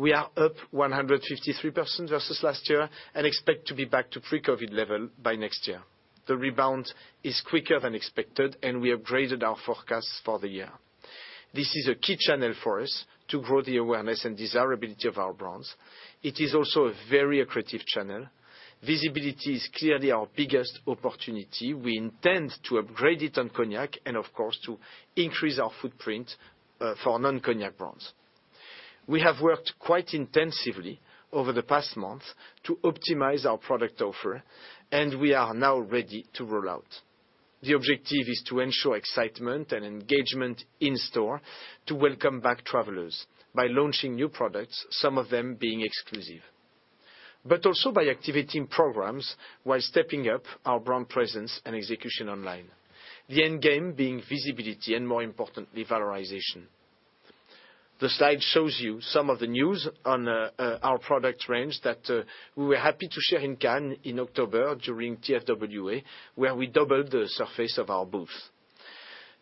We are up 153% versus last year and expect to be back to pre-COVID level by next year. The rebound is quicker than expected, and we upgraded our forecasts for the year. This is a key channel for us to grow the awareness and desirability of our brands. It is also a very accretive channel. Visibility is clearly our biggest opportunity. We intend to upgrade it on Cognac and of course to increase our footprint for non-cognac brands. We have worked quite intensively over the past month to optimize our product offer, and we are now ready to roll out. The objective is to ensure excitement and engagement in store to welcome back travelers by launching new products, some of them being exclusive. Also by activating programs while stepping up our brand presence and execution online. The end game being visibility and, more importantly, valorization. The slide shows you some of the news on our product range that we were happy to share in Cannes in October during TFWA, where we doubled the surface of our booth.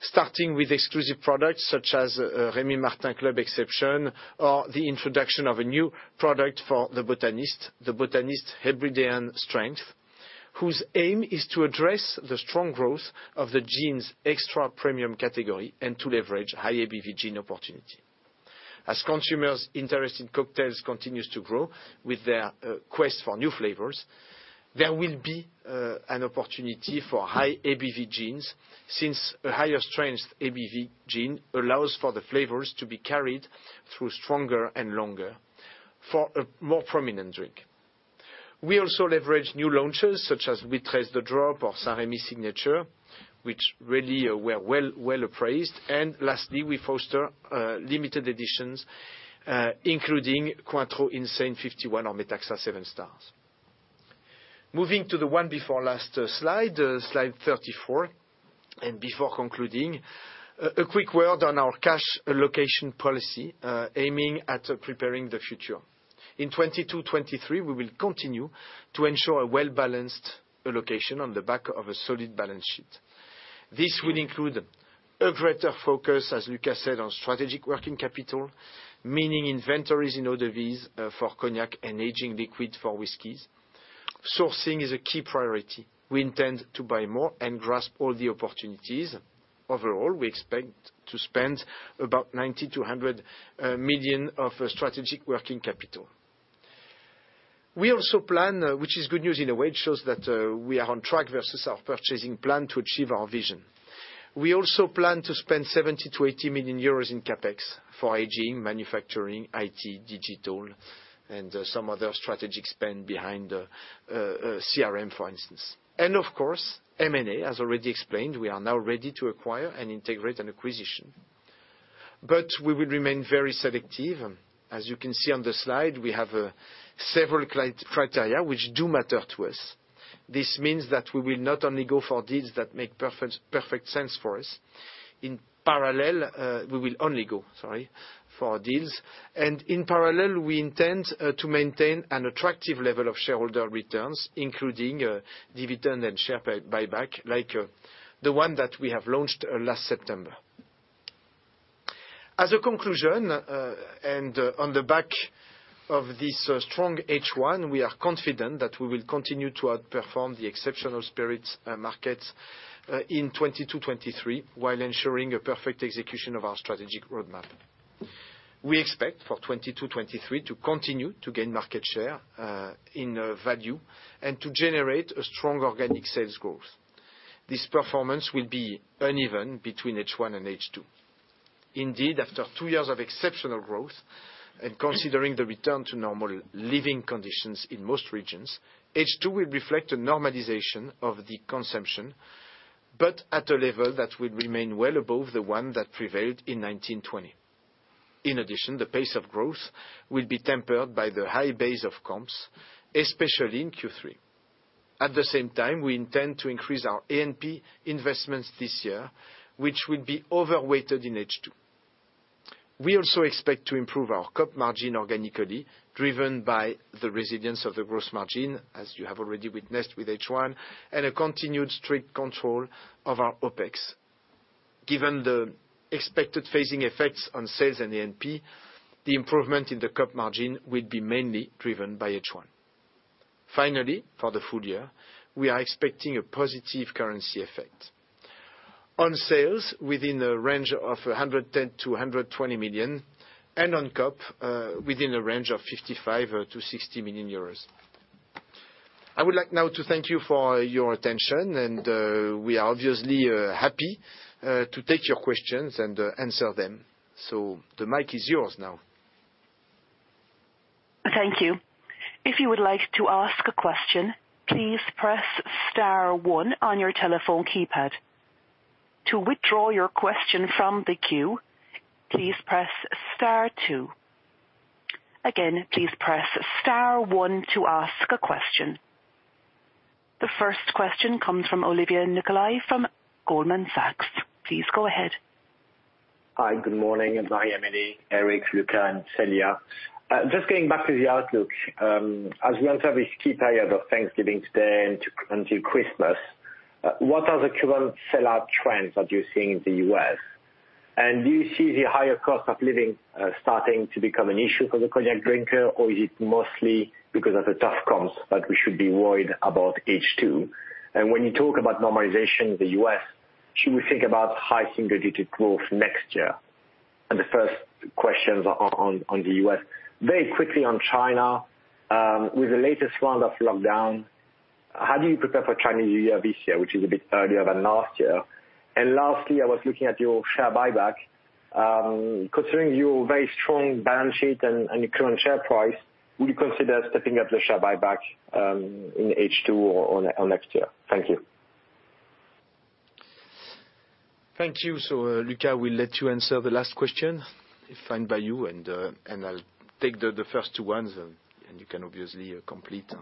Starting with exclusive products such as Rémy Martin CLUB Exception, or the introduction of a new product for The Botanist, The Botanist Hebridean Strength, whose aim is to address the strong growth of the gin's extra premium category and to leverage high ABV gin opportunity. As consumers' interest in cocktails continues to grow with their quest for new flavors, there will be an opportunity for high ABV gins since a higher strength ABV gin allows for the flavors to be carried through stronger and longer for a more prominent drink. We also leverage new launches such as LOUIS XIII THE DROP or St-Rémy Signature, which really were well appraised. Lastly, we foster limited editions, including Cointreau Insane 51 or METAXA 7 Stars. Moving to the one before last slide 34, and before concluding, a quick word on our cash allocation policy, aiming at preparing the future. In 2022-2023, we will continue to ensure a well-balanced allocation on the back of a solid balance sheet. This will include a greater focus, as Luca said, on strategic working capital, meaning inventories in eaux-de-vies for Cognac and aging liquid for whiskeys. Sourcing is a key priority. We intend to buy more and grasp all the opportunities. Overall, we expect to spend about 90 million-100 million of strategic working capital. We also plan, which is good news in a way, it shows that we are on track versus our purchasing plan to achieve our vision. We also plan to spend 70 million-80 million euros in CapEx for aging, manufacturing, IT, digital, and some other strategic spend behind the CRM, for instance. Of course, M&A, as already explained, we are now ready to acquire and integrate an acquisition. We will remain very selective. As you can see on the slide, we have several criteria which do matter to us. This means that we will not only go for deals that make perfect sense for us. In parallel, we will only go, sorry, for deals. In parallel, we intend to maintain an attractive level of shareholder returns, including dividend and share buyback, like the one that we have launched last September. As a conclusion, on the back of this strong H1, we are confident that we will continue to outperform the exceptional spirits market in 2022-2023, while ensuring a perfect execution of our strategic roadmap. We expect for 2022-2023 to continue to gain market share in value and to generate a strong organic sales growth. This performance will be uneven between H1 and H2. Indeed, after two years of exceptional growth and considering the return to normal living conditions in most regions, H2 will reflect a normalization of the consumption, but at a level that will remain well above the one that prevailed in 2019-2020. In addition, the pace of growth will be tempered by the high base of comps, especially in Q3. At the same time, we intend to increase our A&P investments this year, which will be overweighted in H2. We also expect to improve our COP margin organically, driven by the resilience of the gross margin, as you have already witnessed with H1, and a continued strict control of our OpEx. Given the expected phasing effects on sales and A&P, the improvement in the COP margin will be mainly driven by H1. Finally, for the full year, we are expecting a positive currency effect. On sales, within a range of 110 million-120 million, and on COP, within a range of 55 million-60 million euros. I would like now to thank you for your attention, and we are obviously happy to take your questions and answer them. The mic is yours now. Thank you. If you would like to ask a question, please press star one on your telephone keypad. To withdraw your question from the queue, please press star two. Again, please press star one to ask a question. The first question comes from Olivier Nicolaï from Goldman Sachs. Please go ahead. Hi, good morning, Marie-Amélie, Eric, Luca, and Célia. Just getting back to the outlook, as we enter this key period of Thanksgiving today into Christmas, what are the current sell-out trends that you're seeing in the U.S.? Do you see the higher cost of living starting to become an issue for the cognac drinker or is it mostly because of the tough comps that we should be worried about H2? When you talk about normalization in the U.S., should we think about high single digit growth next year? The first questions are on the U.S. Very quickly on China, with the latest round of lockdown, how do you prepare for Chinese New Year this year, which is a bit earlier than last year? Lastly, I was looking at your share buyback. Considering your very strong balance sheet and the current share price, would you consider stepping up the share buyback in H2 or next year? Thank you. Thank you. Luca, we'll let you answer the last question, if fine by you, and I'll take the first two ones, and you can obviously complete.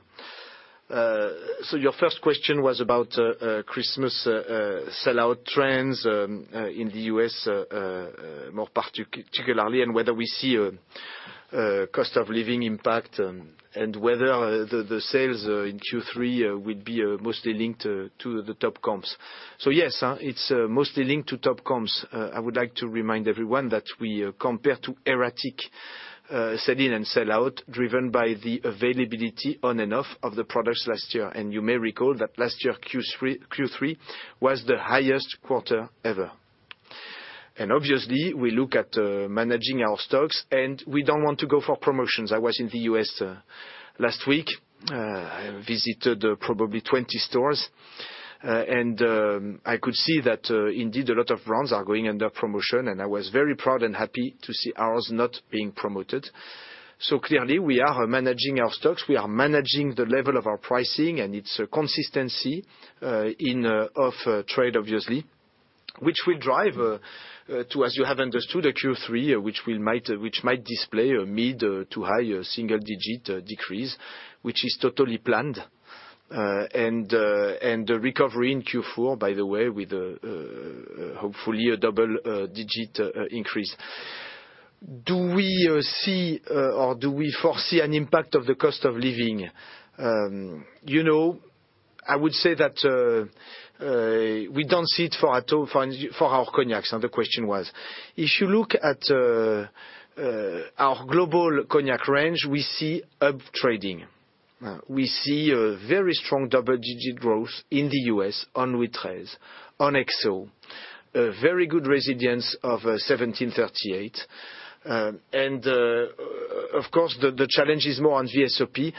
Your first question was about Christmas sellout trends in the U.S. more particularly, and whether we see a cost of living impact and whether the sales in Q3 will be mostly linked to the top comps. Yes, it's mostly linked to top comps. I would like to remind everyone that we compare to erratic sell-in and sell-out, driven by the availability on and off of the products last year. You may recall that last year, Q3 was the highest quarter ever. Obviously, we look at managing our stocks, and we don't want to go for promotions. I was in the U.S. last week. I visited probably 20 stores, and I could see that indeed, a lot of brands are going under promotion, and I was very proud and happy to see ours not being promoted. Clearly we are managing our stocks, we are managing the level of our pricing and its consistency in of trade, obviously, which will drive to, as you have understood, a Q3 which might display a mid to high single-digit decrease, which is totally planned. The recovery in Q4, by the way, with hopefully a double-digit increase. Do we see or do we foresee an impact of the cost of living? You know, I would say that we don't see it at all for our cognacs. The question was. If you look at our global Cognac range, we see up trading. We see a very strong double-digit growth in the U.S. on terroirs, on XO, a very good residence of 1738. Of course, the challenge is more on VSOP,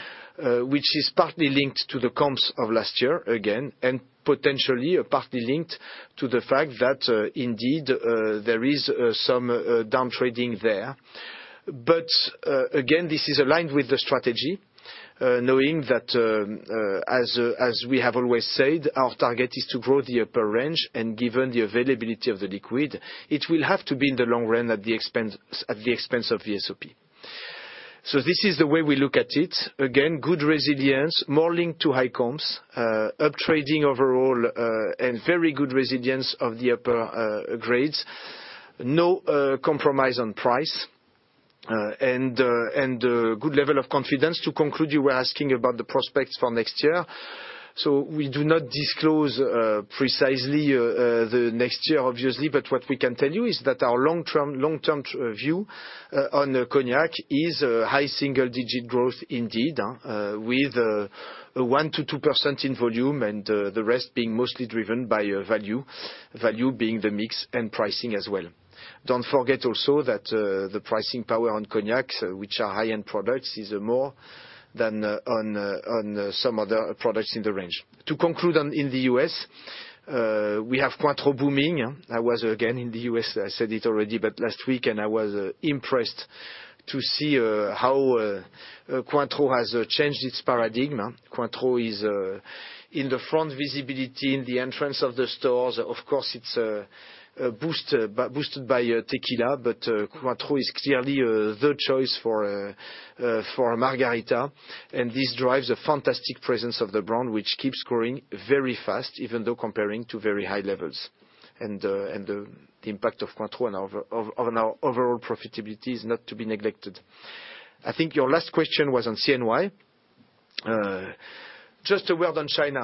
which is partly linked to the comps of last year, again, and potentially partly linked to the fact that indeed there is some down trading there. Again, this is aligned with the strategy, knowing that, as we have always said, our target is to grow the upper range, and given the availability of the liquid, it will have to be in the long run at the expense, at the expense of VSOP. This is the way we look at it. Again, good resilience, more linked to high comps, up trading overall, and very good resilience of the upper grades. No compromise on price, and good level of confidence. To conclude, you were asking about the prospects for next year. We do not disclose precisely the next year, obviously, but what we can tell you is that our long-term view on Cognac is a high single-digit growth indeed, with 1%-2% in volume and the rest being mostly driven by value. Value being the mix and pricing as well. Don't forget also that the pricing power on cognacs, which are high-end products, is more than on some other products in the range. To conclude on in the U.S., we have Cointreau booming. I was again in the U.S., I said it already, but last week, and I was impressed to see how Cointreau has changed its paradigm. Cointreau is in the front visibility in the entrance of the stores. Of course, it's boosted by tequila, Cointreau is clearly the choice for Margarita. This drives a fantastic presence of the brand, which keeps growing very fast, even though comparing to very high levels. The impact of Cointreau on our overall profitability is not to be neglected. I think your last question was on CNY. Just a word on China.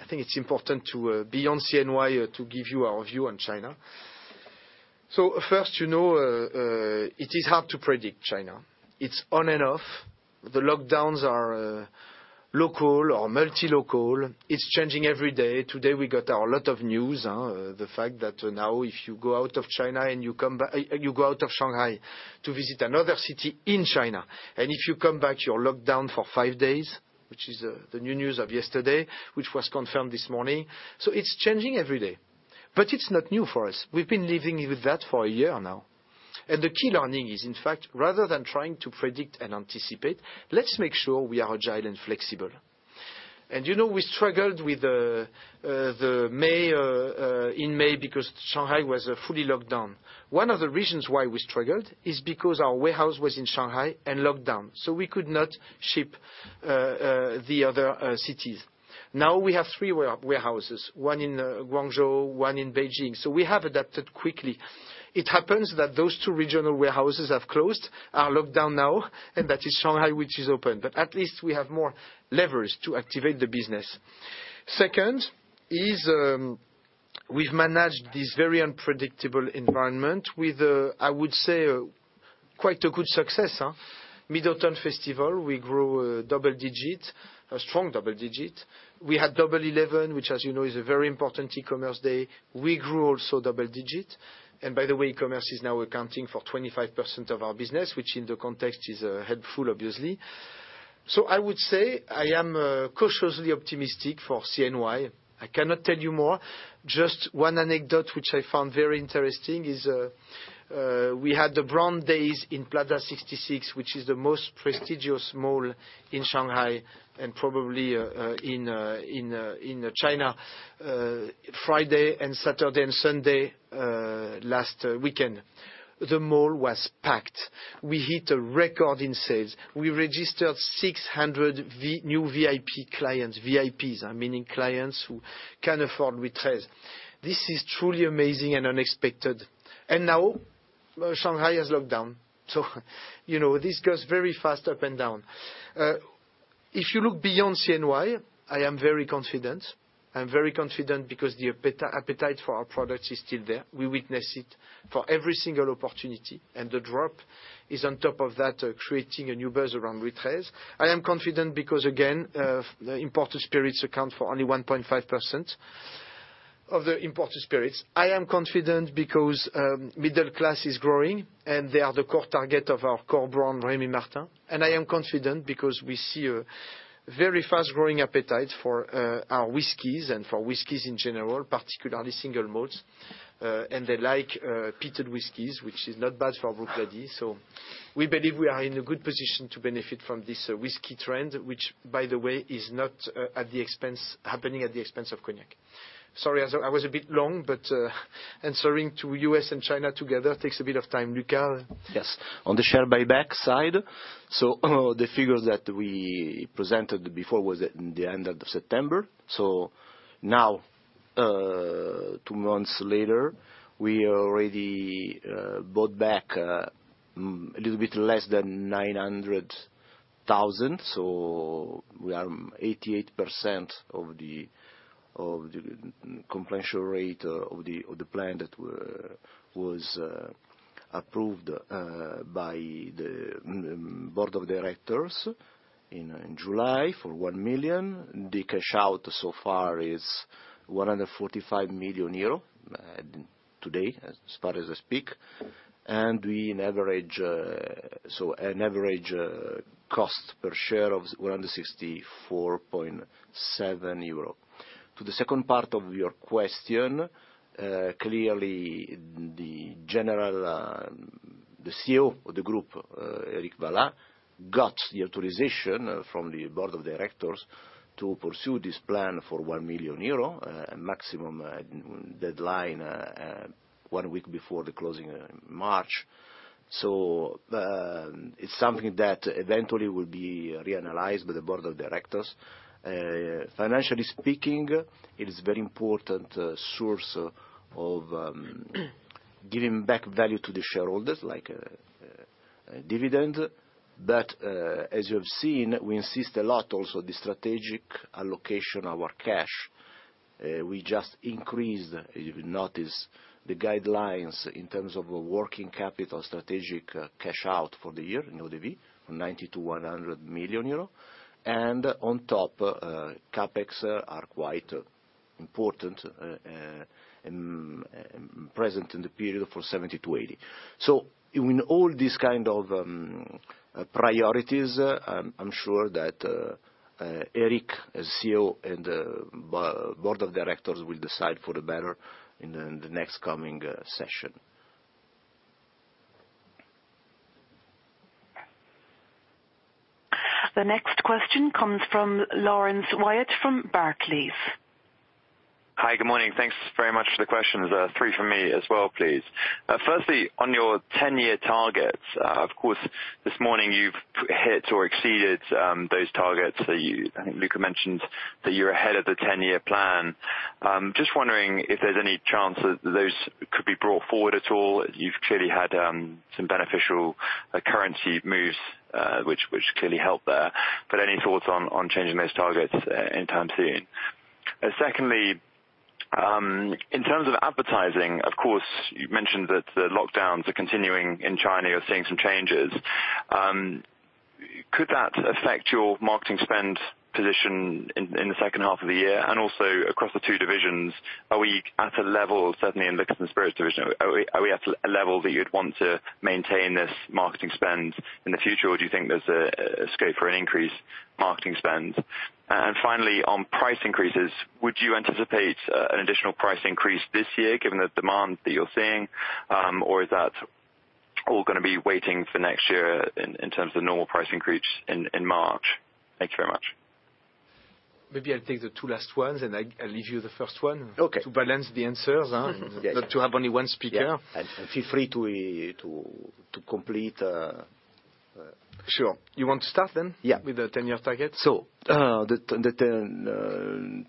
I think it's important to beyond CNY to give you our view on China. First, you know, it is hard to predict China. It's on and off. The lockdowns are local or multi-local. It's changing every day. Today, we got a lot of news. The fact that now if you go out of China and you go out of Shanghai to visit another city in China, and if you come back, you're locked down for five days, which is the new news of yesterday, which was confirmed this morning. It's changing every day, but it's not new for us. We've been living with that for a year now. The key learning is, in fact, rather than trying to predict and anticipate, let's make sure we are agile and flexible. You know, we struggled with the May in May because Shanghai was fully locked down. One of the reasons why we struggled is because our warehouse was in Shanghai and locked down, so we could not ship the other cities. We have three warehouses, one in Guangzhou, one in Beijing. We have adapted quickly. It happens that those two regional warehouses have closed, are locked down now, and that is Shanghai, which is open. At least we have more levers to activate the business. Second is, we've managed this very unpredictable environment with, I would say, quite a good success. Mid-Autumn Festival, we grew double digit, a strong double digit. We had Double Eleven, which, as you know, is a very important e-commerce day. We grew also double digit. By the way, e-commerce is now accounting for 25% of our business, which in the context is helpful, obviously. I would say I am cautiously optimistic for CNY. I cannot tell you more. Just one anecdote which I found very interesting is, we had the brand days in Plaza 66, which is the most prestigious mall in Shanghai and probably in China, Friday and Saturday and Sunday, last weekend. The mall was packed. We hit a record in sales. We registered 600 new VIP clients. VIPs, meaning clients who can afford terroirs. This is truly amazing and unexpected. Now Shanghai has locked down. You know, this goes very fast, up and down. If you look beyond CNY, I am very confident. I'm very confident because the appetite for our products is still there. We witness it for every single opportunity, and THE DROP is on top of that, creating a new buzz around terroirs. I am confident because, again, the imported spirits account for only 1.5% of the imported spirits. I am confident because middle class is growing, and they are the core target of our core brand, Rémy Martin. I am confident because we see a very fast-growing appetite for our whiskeys and for whiskeys in general, particularly single malts. They like peated whiskeys, which is not bad for Bruichladdich. We believe we are in a good position to benefit from this whiskey trend, which, by the way, is not happening at the expense of Cognac. Sorry, I was a bit long, answering to U.S. and China together takes a bit of time. Luca? On the share buyback side, the figures that we presented before was at, in the end of September. Now, two months later, we already bought back a little bit less than 900,000. We are 88% of the completion rate of the plan that was approved by the board of directors in July for 1 million. The cash out so far is 145 million euro today, as far as I speak. We average, an average cost per share of 164.7 euro. To the second part of your question, clearly the general, the CEO of the group, Eric Vallat, got the authorization from the board of directors to pursue this plan for 1 million euro maximum deadline one week before the closing of March. It's something that eventually will be reanalyzed by the board of directors. Financially speaking, it is very important source of giving back value to the shareholders, like dividend. As you have seen, we insist a lot also the strategic allocation of our cash. We just increased, if you've noticed, the guidelines in terms of a working capital strategic cash out for the year in ODB, 90 million-100 million euro. On top, CapEx are quite important present in the period for 70 million-80 million. In all these kind of priorities, I'm sure that Eric, as CEO, and Board of Directors will decide for the better in the next coming session. The next question comes from Laurence Whyatt from Barclays. Hi, good morning. Thanks very much for the questions. Three from me as well, please. Firstly, on your 10-year targets, of course, this morning you've hit or exceeded, those targets. I think Luca mentioned that you're ahead of the 10-year plan. Just wondering if there's any chance that those could be brought forward at all. You've clearly had, some beneficial currency moves, which clearly helped there. Any thoughts on changing those targets, anytime soon? Secondly, in terms of advertising, of course, you mentioned that the lockdowns are continuing in China. You're seeing some changes. Could that affect your marketing spend position in the second half of the year? Also, across the two divisions, are we at a level, certainly in the customer experience division, are we at a level that you'd want to maintain this marketing spend in the future, or do you think there's a scope for an increased marketing spend? Finally, on price increases, would you anticipate an additional price increase this year given the demand that you're seeing? Is that all gonna be waiting for next year in terms of normal price increase in March? Thank you very much. Maybe I'll take the two last ones, and I'll leave you the first one. Okay. to balance the answers. Yes. not to have only one speaker. Yeah. Feel free to complete. Sure. You want to start then? Yeah. With the 10-year target? The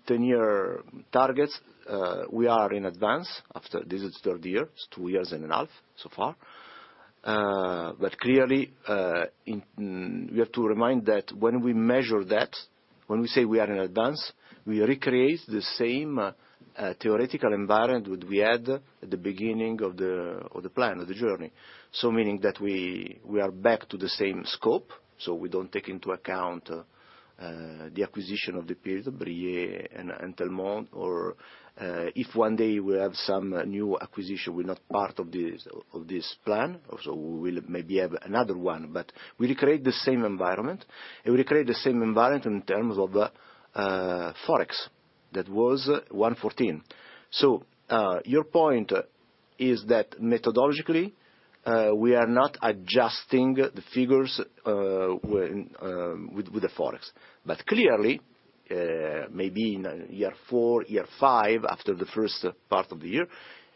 10-year targets, we are in advance after this is the third year. It's 2.5 years so far. Clearly, we have to remind that when we measure that, when we say we are in advance, we recreate the same theoretical environment which we had at the beginning of the plan, of the journey. Meaning that we are back to the same scope, we don't take into account the acquisition of the period, Brillet and Telmont. If one day we have some new acquisition, we're not part of this plan. Also, we'll maybe have another one. We recreate the same environment, we recreate the same environment in terms of Forex. That was $1.14. Your point is that methodologically, we are not adjusting the figures, when with the Forex. Clearly, maybe in year four, year five, after the first part of the year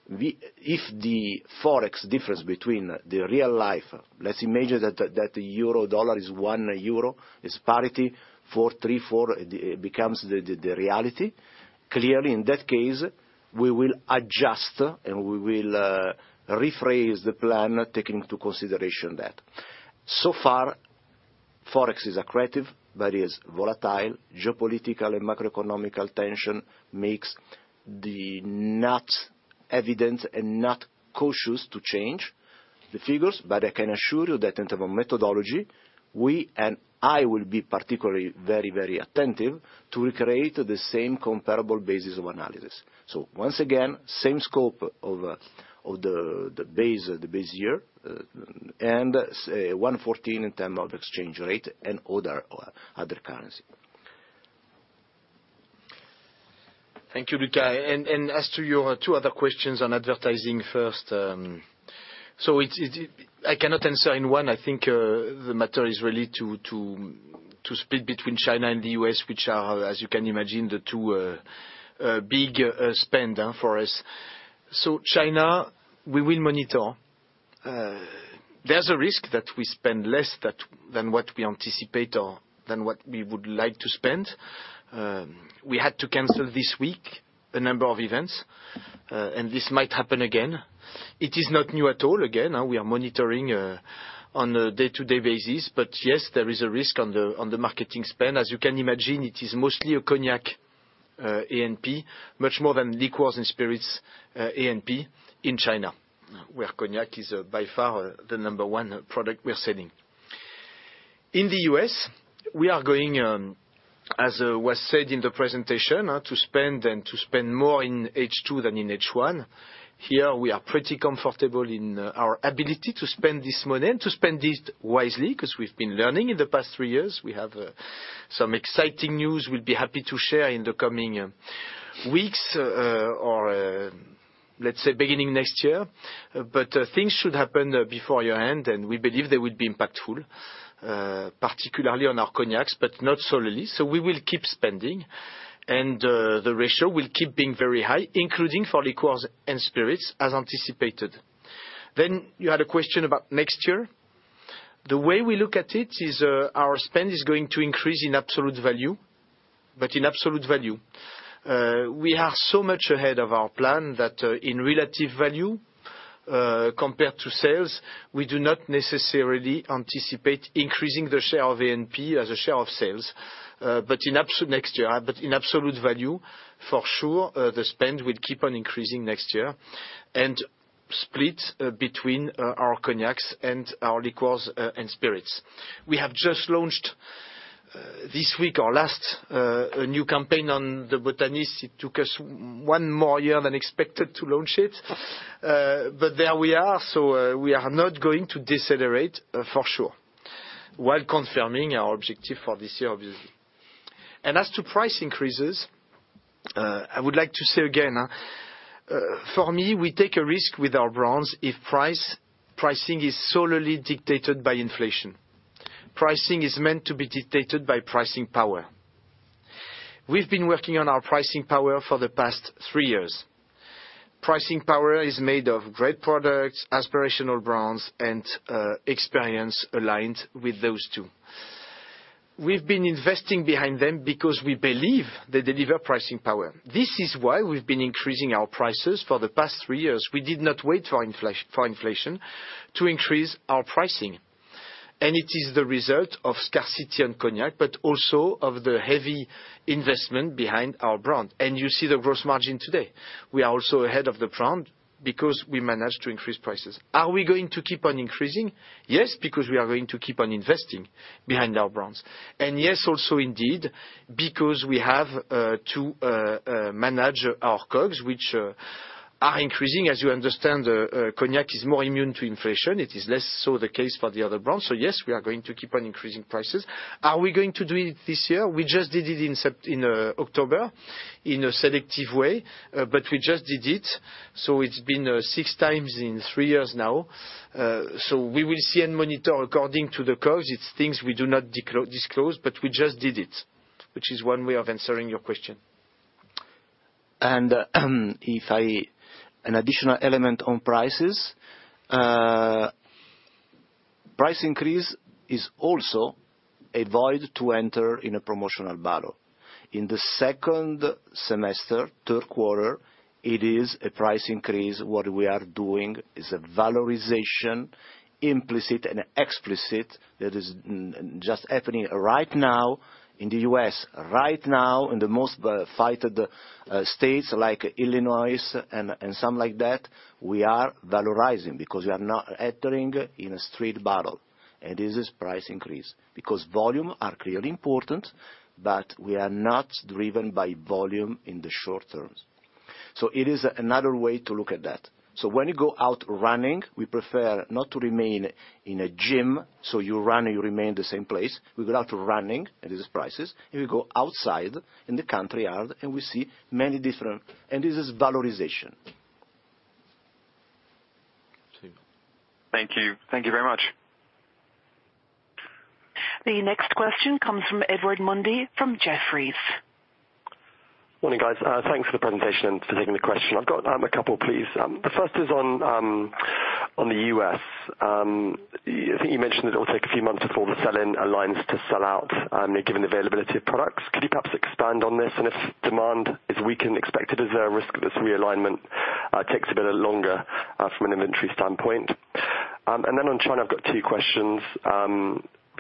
if the Forex difference between the real life, let's imagine that the euro-dollar is 1 euro, is parity $4.34 it becomes the reality. Clearly, in that case, we will adjust, and we will rephrase the plan taking into consideration that. So far, Forex is accretive, but is volatile. Geopolitical and macroeconomic tension makes the not evident and not cautious to change the figures. I can assure you that in terms of methodology, we and I will be particularly very, very attentive to recreate the same comparable basis of analysis. once again, same scope of the base year, and say $1.14 in terms of exchange rate and other currency. Thank you, Luca. As to your two other questions on advertising first, I cannot answer in one. I think, the matter is really to split between China and the U.S., which are, as you can imagine, the two big spenders for us. China, we will monitor. There's a risk that we spend less than what we anticipate or than what we would like to spend. We had to cancel this week a number of events, and this might happen again. It is not new at all. Again, we are monitoring on a day-to-day basis. Yes, there is a risk on the marketing spend. As you can imagine, it is mostly a Cognac A&P, much more than Liqueurs & Spirits A&P in China, where Cognac is, by far, the number one product we are selling. In the U.S., we are going, as was said in the presentation, to spend and to spend more in H2 than in H1. Here we are pretty comfortable in our ability to spend this money and to spend it wisely, 'cause we've been learning in the past three years. We have some exciting news we'll be happy to share in the coming weeks, or let's say beginning next year. Things should happen before year-end, and we believe they will be impactful, particularly on our cognacs, but not solely. We will keep spending. The ratio will keep being very high, including for Liqueurs & Spirits, as anticipated. You had a question about next year. The way we look at it is, our spend is going to increase in absolute value, but in absolute value. We are so much ahead of our plan that, in relative value, compared to sales, we do not necessarily anticipate increasing the share of A&P as a share of sales. In absolute value for sure, the spend will keep on increasing next year and split between our cognacs and our Liqueurs & Spirits. We have just launched this week or last, a new campaign on The Botanist. It took us one more year than expected to launch it. There we are. We are not going to decelerate for sure, while confirming our objective for this year, obviously. As to price increases, I would like to say again, for me, we take a risk with our brands if pricing is solely dictated by inflation. Pricing is meant to be dictated by pricing power. We've been working on our pricing power for the past three years. Pricing power is made of great products, aspirational brands, and experience aligned with those two. We've been investing behind them because we believe they deliver pricing power. This is why we've been increasing our prices for the past three years. We did not wait for inflation to increase our pricing. It is the result of scarcity on Cognac, but also of the heavy investment behind our brand. You see the gross margin today. We are also ahead of the brand because we managed to increase prices. Are we going to keep on increasing? Yes, because we are going to keep on investing behind our brands. Yes, also indeed, because we have to manage our COGS, which are increasing. As you understand, Cognac is more immune to inflation. It is less so the case for the other brands. Yes, we are going to keep on increasing prices. Are we going to do it this year? We just did it in October in a selective way, we just did it, so it's been 6x in three years now. We will see and monitor according to the COGS. It's things we do not disclose, we just did it, which is one way of answering your question. An additional element on prices. Price increase is also avoid to enter in a promotional battle. In the second semester, third quarter, it is a price increase. What we are doing is a valorization, implicit and explicit, that is just happening right now in the U.S., right now in the most fought states like Illinois and some like that, we are valorizing because we are not entering in a straight battle. This is price increase. Because volume are clearly important, but we are not driven by volume in the short terms. It is another way to look at that. When you go out running, we prefer not to remain in a gym, so you run and you remain the same place. We go out running. This is prices. We go outside in the country yard. We see many different... This is valorization. Thank you. Thank you very much. The next question comes from Edward Mundy from Jefferies. Morning, guys. Thanks for the presentation and for taking the question. I've got a couple, please. The first is on on the U.S.. I think you mentioned that it will take a few months before the sell-in aligns to sell out, given the availability of products. Could you perhaps expand on this? If demand is weakened, expect it, is there a risk this realignment takes a bit longer from an inventory standpoint? Then on China, I've got two questions.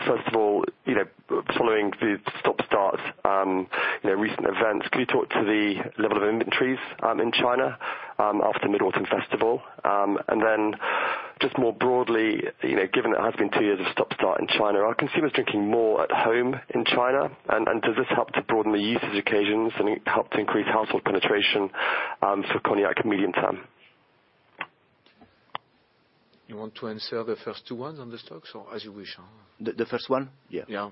First of all, you know, following the stop-start, you know, recent events, can you talk to the level of inventories in China after Mid-Autumn Festival? Then just more broadly, you know, given it has been two years of stop-start in China, are consumers drinking more at home in China? Does this help to broaden the usage occasions and help to increase household penetration for Cognac medium term? You want to answer the first two ones on the stocks or as you wish? The first one? Yeah.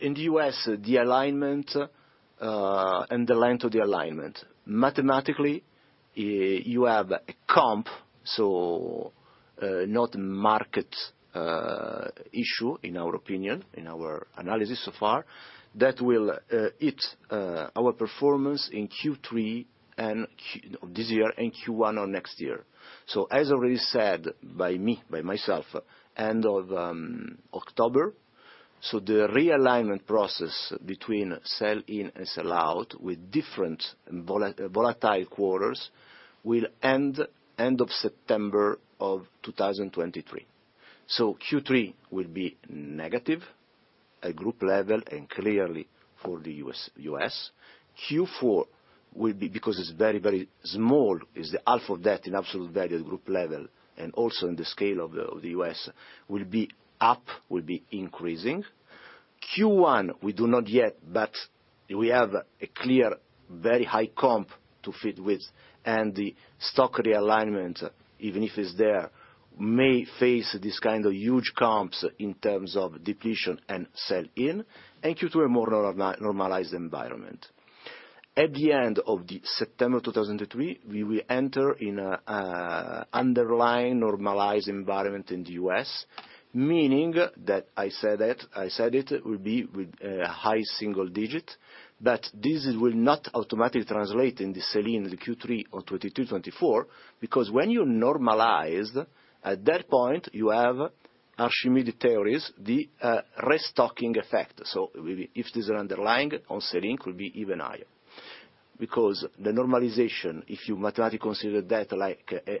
In the U.S., the alignment and the line to the alignment, mathematically, you have a comp, not market issue, in our opinion, in our analysis so far, that will hit our performance in Q3 this year and Q1 of next year. As already said by myself, end of October, the realignment process between sell in and sell out with different volatile quarters will end end of September 2023. Q3 will be negative at group level and clearly for the U.S. Q4 will be, because it's very small, is the half of that in absolute value at group level and also in the scale of the U.S., will be up, will be increasing. Q1, we do not yet, but we have a clear very high comp to fit with and the stock realignment, even if it's there, may face this kind of huge comps in terms of depletion and sell in and Q2 a more normalized environment. At the end of September 2003, we will enter in a underlying normalized environment in the U.S., meaning that I said it will be with a high single digit, but this will not automatically translate in the sell-in in the Q3 of 2022-2024, because when you normalize, at that point, you have Archimedes' theories, the restocking effect. If there's an underlying on sell-in could be even higher. The normalization, if you mathematically consider that like a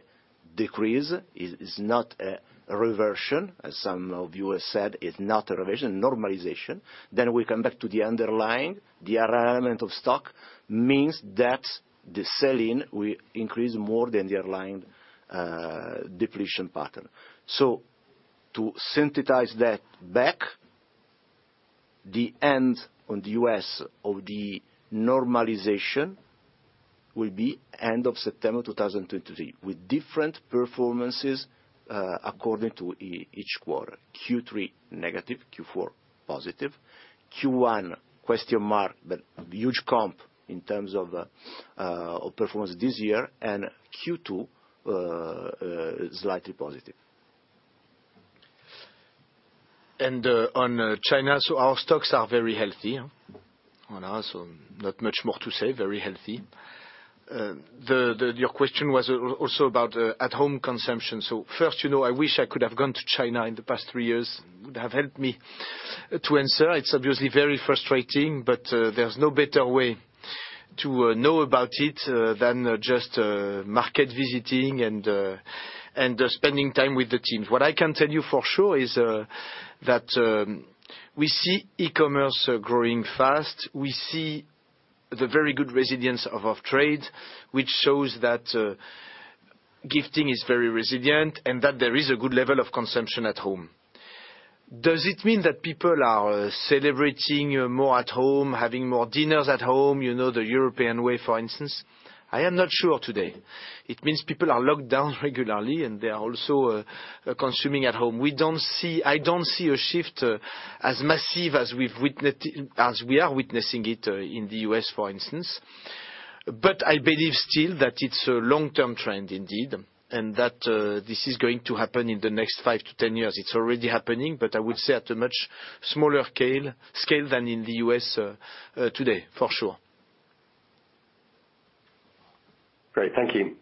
decrease is not a reversion, as some of you have said, it's not a reversion, normalization, then we come back to the underlying. The alignment of stock means that the sell-in will increase more than the underlying depletion pattern. To synthesize that back, the end on the U.S. of the normalization will be end of September 2023, with different performances according to each quarter. Q3 negative, Q4 positive. Q1 question mark, but huge comp in terms of performance this year, and Q2 slightly positive. On China, our stocks are very healthy. On us, not much more to say, very healthy. Your question was also about at home consumption. First, you know, I wish I could have gone to China in the past three years. It would have helped me to answer. It's obviously very frustrating, there's no better way to know about it than just market visiting and spending time with the teams. What I can tell you for sure is that we see e-commerce growing fast. We see the very good resilience of off-trade, which shows that gifting is very resilient and that there is a good level of consumption at home. Does it mean that people are celebrating more at home, having more dinners at home, you know, the European way, for instance? I am not sure today. It means people are locked down regularly, and they are also consuming at home. I don't see a shift as massive as we are witnessing it in the U.S., for instance. I believe still that it's a long-term trend indeed, and that this is going to happen in the next five to 10 years. It's already happening, but I would say at a much smaller scale than in the U.S. today, for sure. Great. Thank you.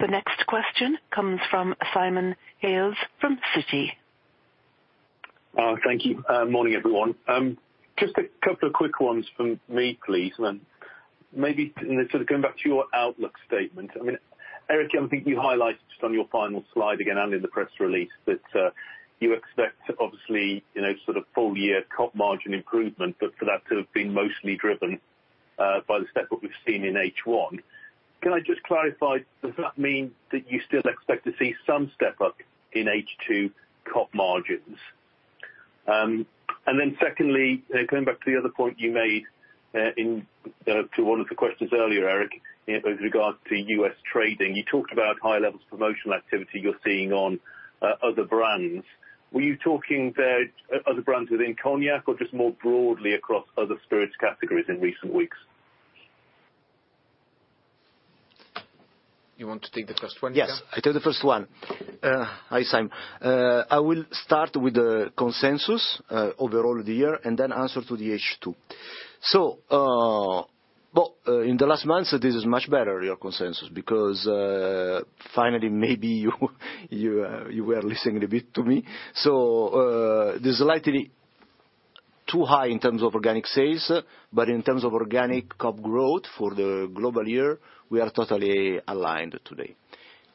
The next question comes from Simon Hales from Citi. Thank you. Morning, everyone. Just a couple of quick ones from me, please. Maybe sort of going back to your outlook statement, I mean, Eric, I think you highlighted just on your final slide again and in the press release that you expect obviously, you know, sort of full-year top margin improvement, but for that to have been mostly driven by the step what we've seen in H1. Can I just clarify, does that mean that you still expect to see some step up in H2 top margins? Secondly, going back to the other point you made in to one of the questions earlier, Eric, in regards to U.S. trading, you talked about high levels of promotional activity you're seeing on other brands. Were you talking there other brands within Cognac or just more broadly across other spirits categories in recent weeks? You want to take the first one, Luca? Yes, I take the first one. Hi, Simon. I will start with the consensus overall of the year and then answer to the H2. Well, in the last months, this is much better, your consensus, because, finally, maybe you, you were listening a bit to me. There's slightly too high in terms of organic sales, but in terms of organic top growth for the global year, we are totally aligned today.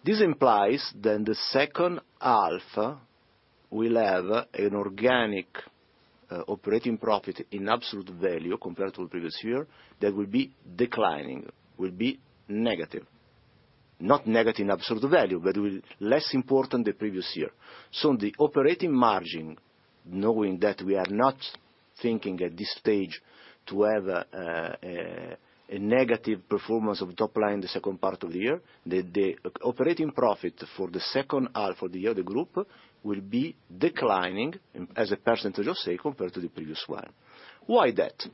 This implies that the second half will have an organic operating profit in absolute value compared to the previous year that will be declining, will be negative. Not negative in absolute value, but it will... less important the previous year. The operating margin, knowing that we are not thinking at this stage to have a negative performance of top line the second part of the year, the operating profit for the second half of the year, the group will be declining as a percentage of sale compared to the previous one. Why that?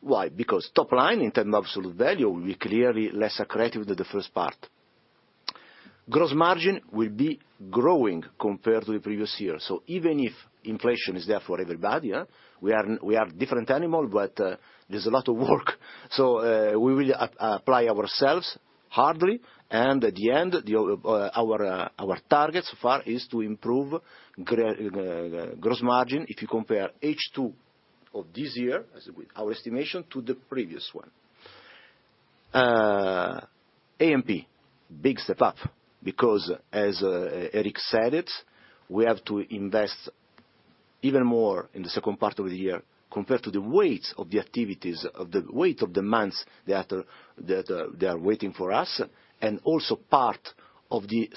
Why? Top line, in terms of absolute value, will be clearly less accretive than the first part. Gross margin will be growing compared to the previous year. Even if inflation is there for everybody, yeah, we are, we are different animal, but there's a lot of work. We will apply ourselves hardly, and at the end, our target so far is to improve the gross margin if you compare H2 of this year, as with our estimation, to the previous one. A&P, big step up, because as Eric said it, we have to invest even more in the second part of the year compared to the weight of the activities, of the weight of the months that are waiting for us. Also part of the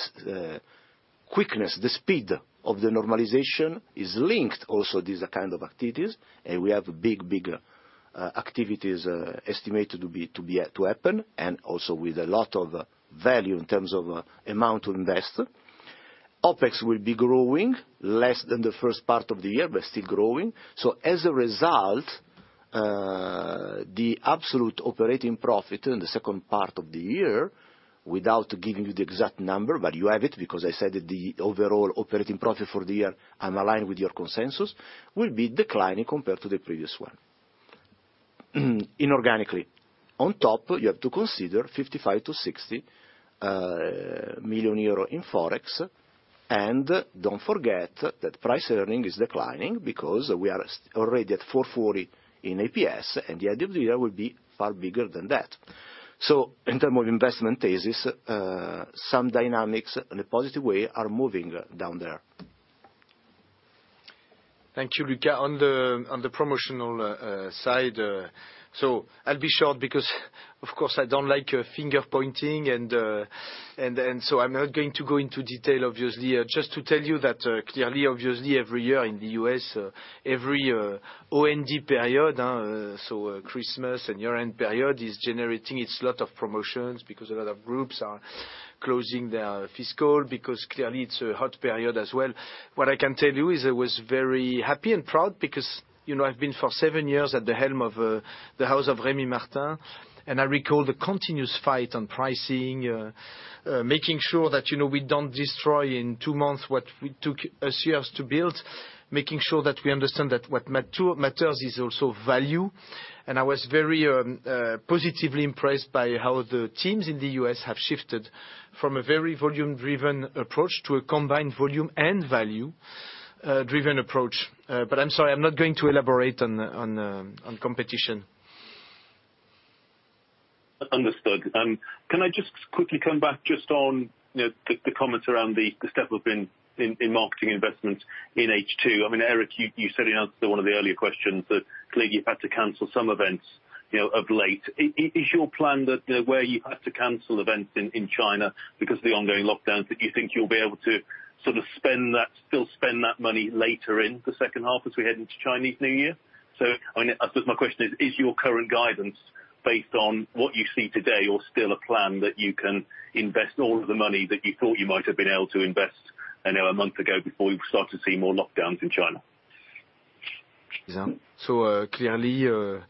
quickness, the speed of the normalization is linked also these kind of activities. We have big activities estimated to happen, and also with a lot of value in terms of amount to invest. OpEx will be growing less than the first part of the year, but still growing. As a result, the absolute operating profit in the second part of the year, without giving you the exact number, but you have it because I said that the overall operating profit for the year, I'm aligned with your consensus, will be declining compared to the previous one. Inorganically. On top, you have to consider 55 million-60 million euro in Forex. Don't forget that price earning is declining because we are already at 4.40 in EPS, and the end of the year will be far bigger than that. In term of investment thesis, some dynamics in a positive way are moving down there. Thank you, Luca. On the promotional side, I'll be short because, of course, I don't like finger pointing and so I'm not going to go into detail, obviously. To tell you that, clearly, obviously, every year in the U.S., every OND period, so Christmas and year-end period is generating its lot of promotions because a lot of groups are closing their fiscal because clearly it's a hot period as well. What I can tell you is I was very happy and proud because, you know, I've been for seven years at the helm of the house of Rémy Martin, and I recall the continuous fight on pricing, making sure that, you know, we don't destroy in two months what we took us years to build, making sure that we understand that what matters is also value. I was very, positively impressed by how the teams in the U.S. have shifted from a very volume driven approach to a combined volume and value driven approach. I'm sorry, I'm not going to elaborate on competition. Understood. Can I just quickly come back just on, you know, the comments around the step up in marketing investments in H2? I mean, Eric, you said in answer to one of the earlier questions that clearly you've had to cancel some events, you know, of late. Is your plan that, you know, where you've had to cancel events in China because of the ongoing lockdowns, that you think you'll be able to sort of still spend that money later in the second half as we head into Chinese New Year? I mean, I suppose my question is your current guidance based on what you see today or still a plan that you can invest all of the money that you thought you might have been able to invest, you know, a month ago before you started to see more lockdowns in China? Clearly,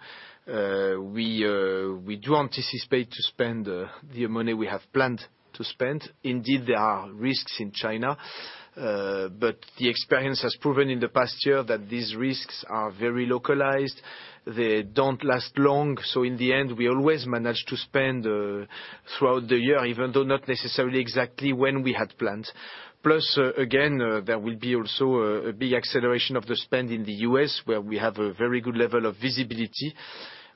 we do anticipate to spend the money we have planned to spend. Indeed, there are risks in China, but the experience has proven in the past year that these risks are very localized. They don't last long. In the end, we always manage to spend throughout the year, even though not necessarily exactly when we had planned. Again, there will be also a big acceleration of the spend in the U.S., where we have a very good level of visibility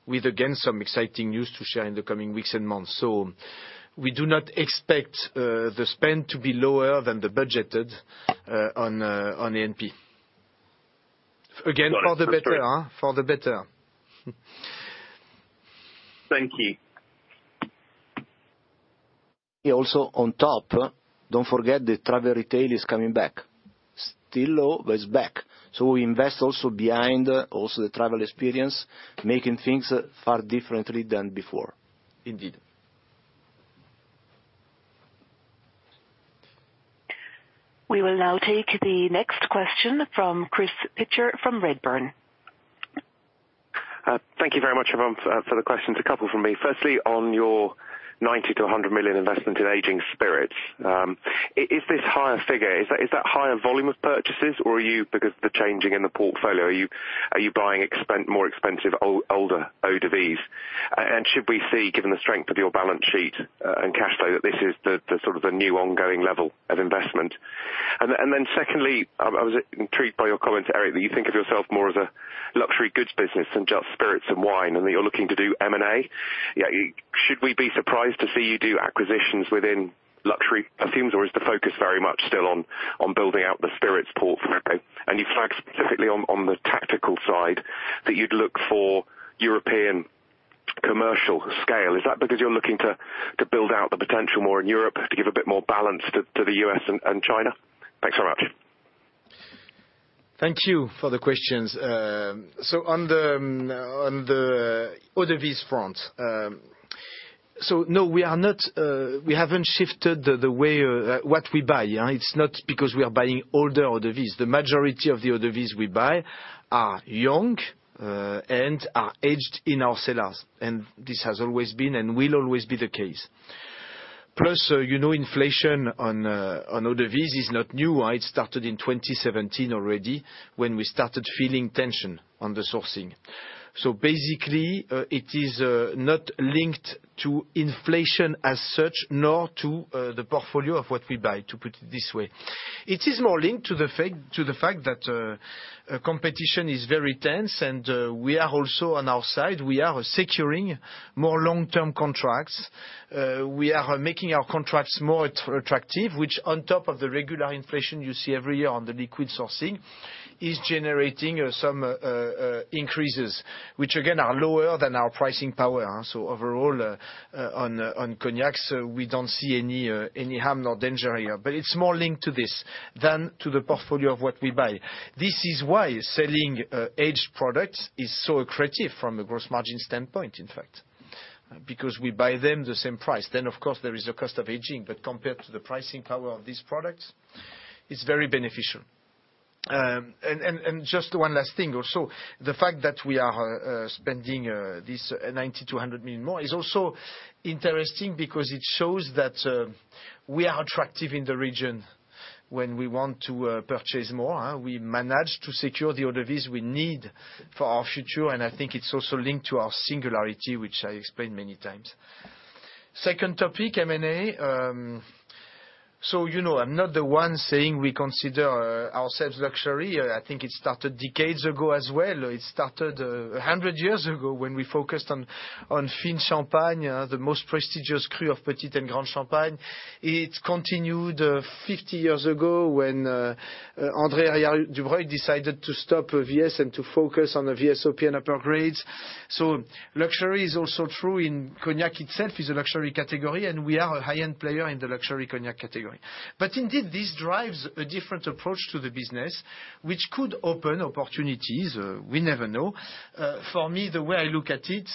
with, again, some exciting news to share in the coming weeks and months. We do not expect the spend to be lower than the budgeted on A&P. Again, for the better, huh? For the better. Thank you. Also on top, don't forget the travel retail is coming back. Still low, but it's back. We invest also behind also the travel experience, making things far differently than before. Indeed. We will now take the next question from Chris Pitcher from Redburn. Thank you very much, everyone, for the questions. A couple from me. Firstly, on your 90 million-100 million investment in aging spirits, is this higher figure, is that higher volume of purchases or are you, because the changing in the portfolio, are you buying more expensive older eaux-de-vie? Should we see, given the strength of your balance sheet and cash flow, that this is the sort of the new ongoing level of investment? Secondly, I was intrigued by your comment, Eric, that you think of yourself more as a luxury goods business than just spirits and wine, and that you're looking to do M&A. Should we be surprised to see you do acquisitions within luxury perfumes, or is the focus very much still on building out the spirits portfolio? You flagged specifically on the tactical side that you'd look for European commercial scale. Is that because you're looking to build out the potential more in Europe to give a bit more balance to the U.S. and China? Thanks so much. Thank you for the questions. On the eaux-de-vie front, no, we haven't shifted the way what we buy, yeah. It's not because we are buying older eaux-de-vie. The majority of the eaux-de-vie we buy are young and are aged in our cellars, and this has always been and will always be the case. Plus, you know, inflation on eaux-de-vie is not new. It started in 2017 already, when we started feeling tension on the sourcing. Basically, it is not linked to inflation as such, nor to the portfolio of what we buy, to put it this way. It is more linked to the fact that competition is very tense and we are also on our side. We are securing more long-term contracts. We are making our contracts more attractive, which on top of the regular inflation you see every year on the liquid sourcing, is generating some increases, which again are lower than our pricing power. Overall, on cognacs, we don't see any harm nor danger here, but it's more linked to this than to the portfolio of what we buy. This is why selling aged products is so accretive from a gross margin standpoint, in fact, because we buy them the same price. Of course, there is a cost of aging, but compared to the pricing power of these products, it's very beneficial. Just one last thing or so. The fact that we are spending this 90 million-100 million more is also interesting because it shows that we are attractive in the region when we want to purchase more, we manage to secure the eaux-de-vie we need for our future, and I think it's also linked to our singularity, which I explained many times. Second topic, M&A. You know, I'm not the one saying we consider ourselves luxury. I think it started decades ago as well. It started 100 years ago when we focused on Fine Champagne, the most prestigious cru of Petite and Grande Champagne. It continued 50 years ago when André Hériard Dubreuil decided to stop VS and to focus on the VSOP and upper grades. Luxury is also true in Cognac itself is a luxury category, and we are a high-end player in the luxury Cognac category. Indeed, this drives a different approach to the business, which could open opportunities, we never know. For me, the way I look at it,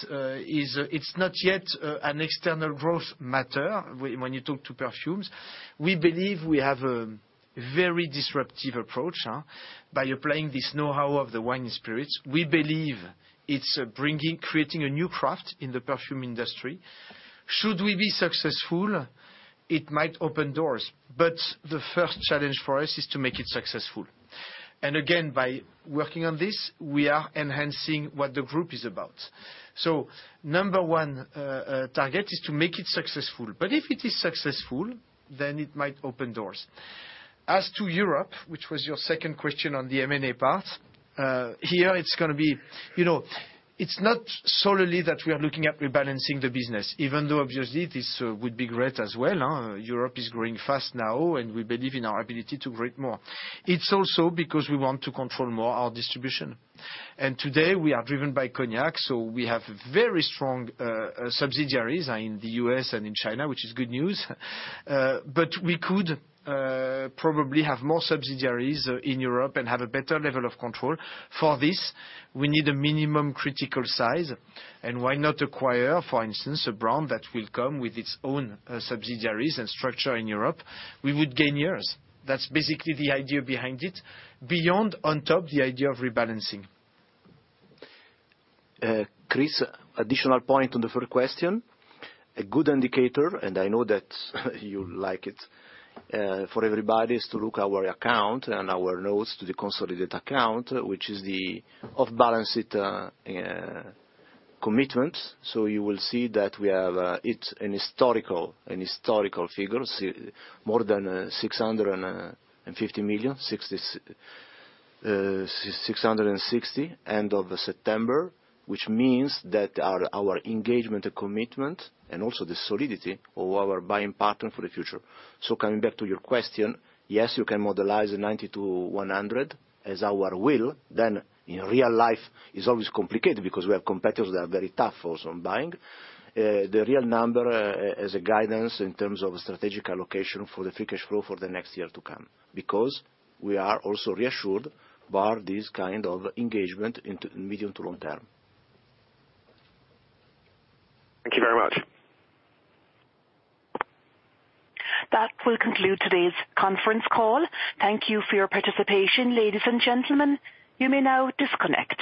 is it's not yet an external growth matter when you talk to perfumes. We believe we have a very disruptive approach, by applying this knowhow of the wine and spirits. We believe it's bringing, creating a new craft in the perfume industry. Should we be successful, it might open doors, but the first challenge for us is to make it successful. Again, by working on this, we are enhancing what the group is about. Number one, target is to make it successful. If it is successful, then it might open doors. As to Europe, which was your second question on the M&A part, here it's gonna be, you know, it's not solely that we are looking at rebalancing the business, even though obviously this would be great as well, huh? Europe is growing fast now, and we believe in our ability to create more. It's also because we want to control more our distribution. Today we are driven by Cognac, so we have very strong subsidiaries in the U.S. and in China, which is good news. We could probably have more subsidiaries in Europe and have a better level of control. For this, we need a minimum critical size, and why not acquire, for instance, a brand that will come with its own subsidiaries and structure in Europe, we would gain years. That's basically the idea behind it. Beyond, on top, the idea of rebalancing. Chris, additional point on the third question. A good indicator, and I know that you like it, for everybody, is to look our account and our notes to the consolidated account, which is the off-balance sheet, commitment. You will see that we have, it's an historical figure, more than 650 million, 660 million end of September, which means that our engagement commitment and also the solidity of our buying pattern for the future. Coming back to your question, yes, you can modelize 90 million-100 million as our will. In real life is always complicated because we have competitors that are very tough also on buying. The real number as a guidance in terms of strategic allocation for the free cash flow for the next year to come, because we are also reassured by this kind of engagement into the medium to long term. Thank you very much. That will conclude today's conference call. Thank you for your participation, ladies and gentlemen. You may now disconnect.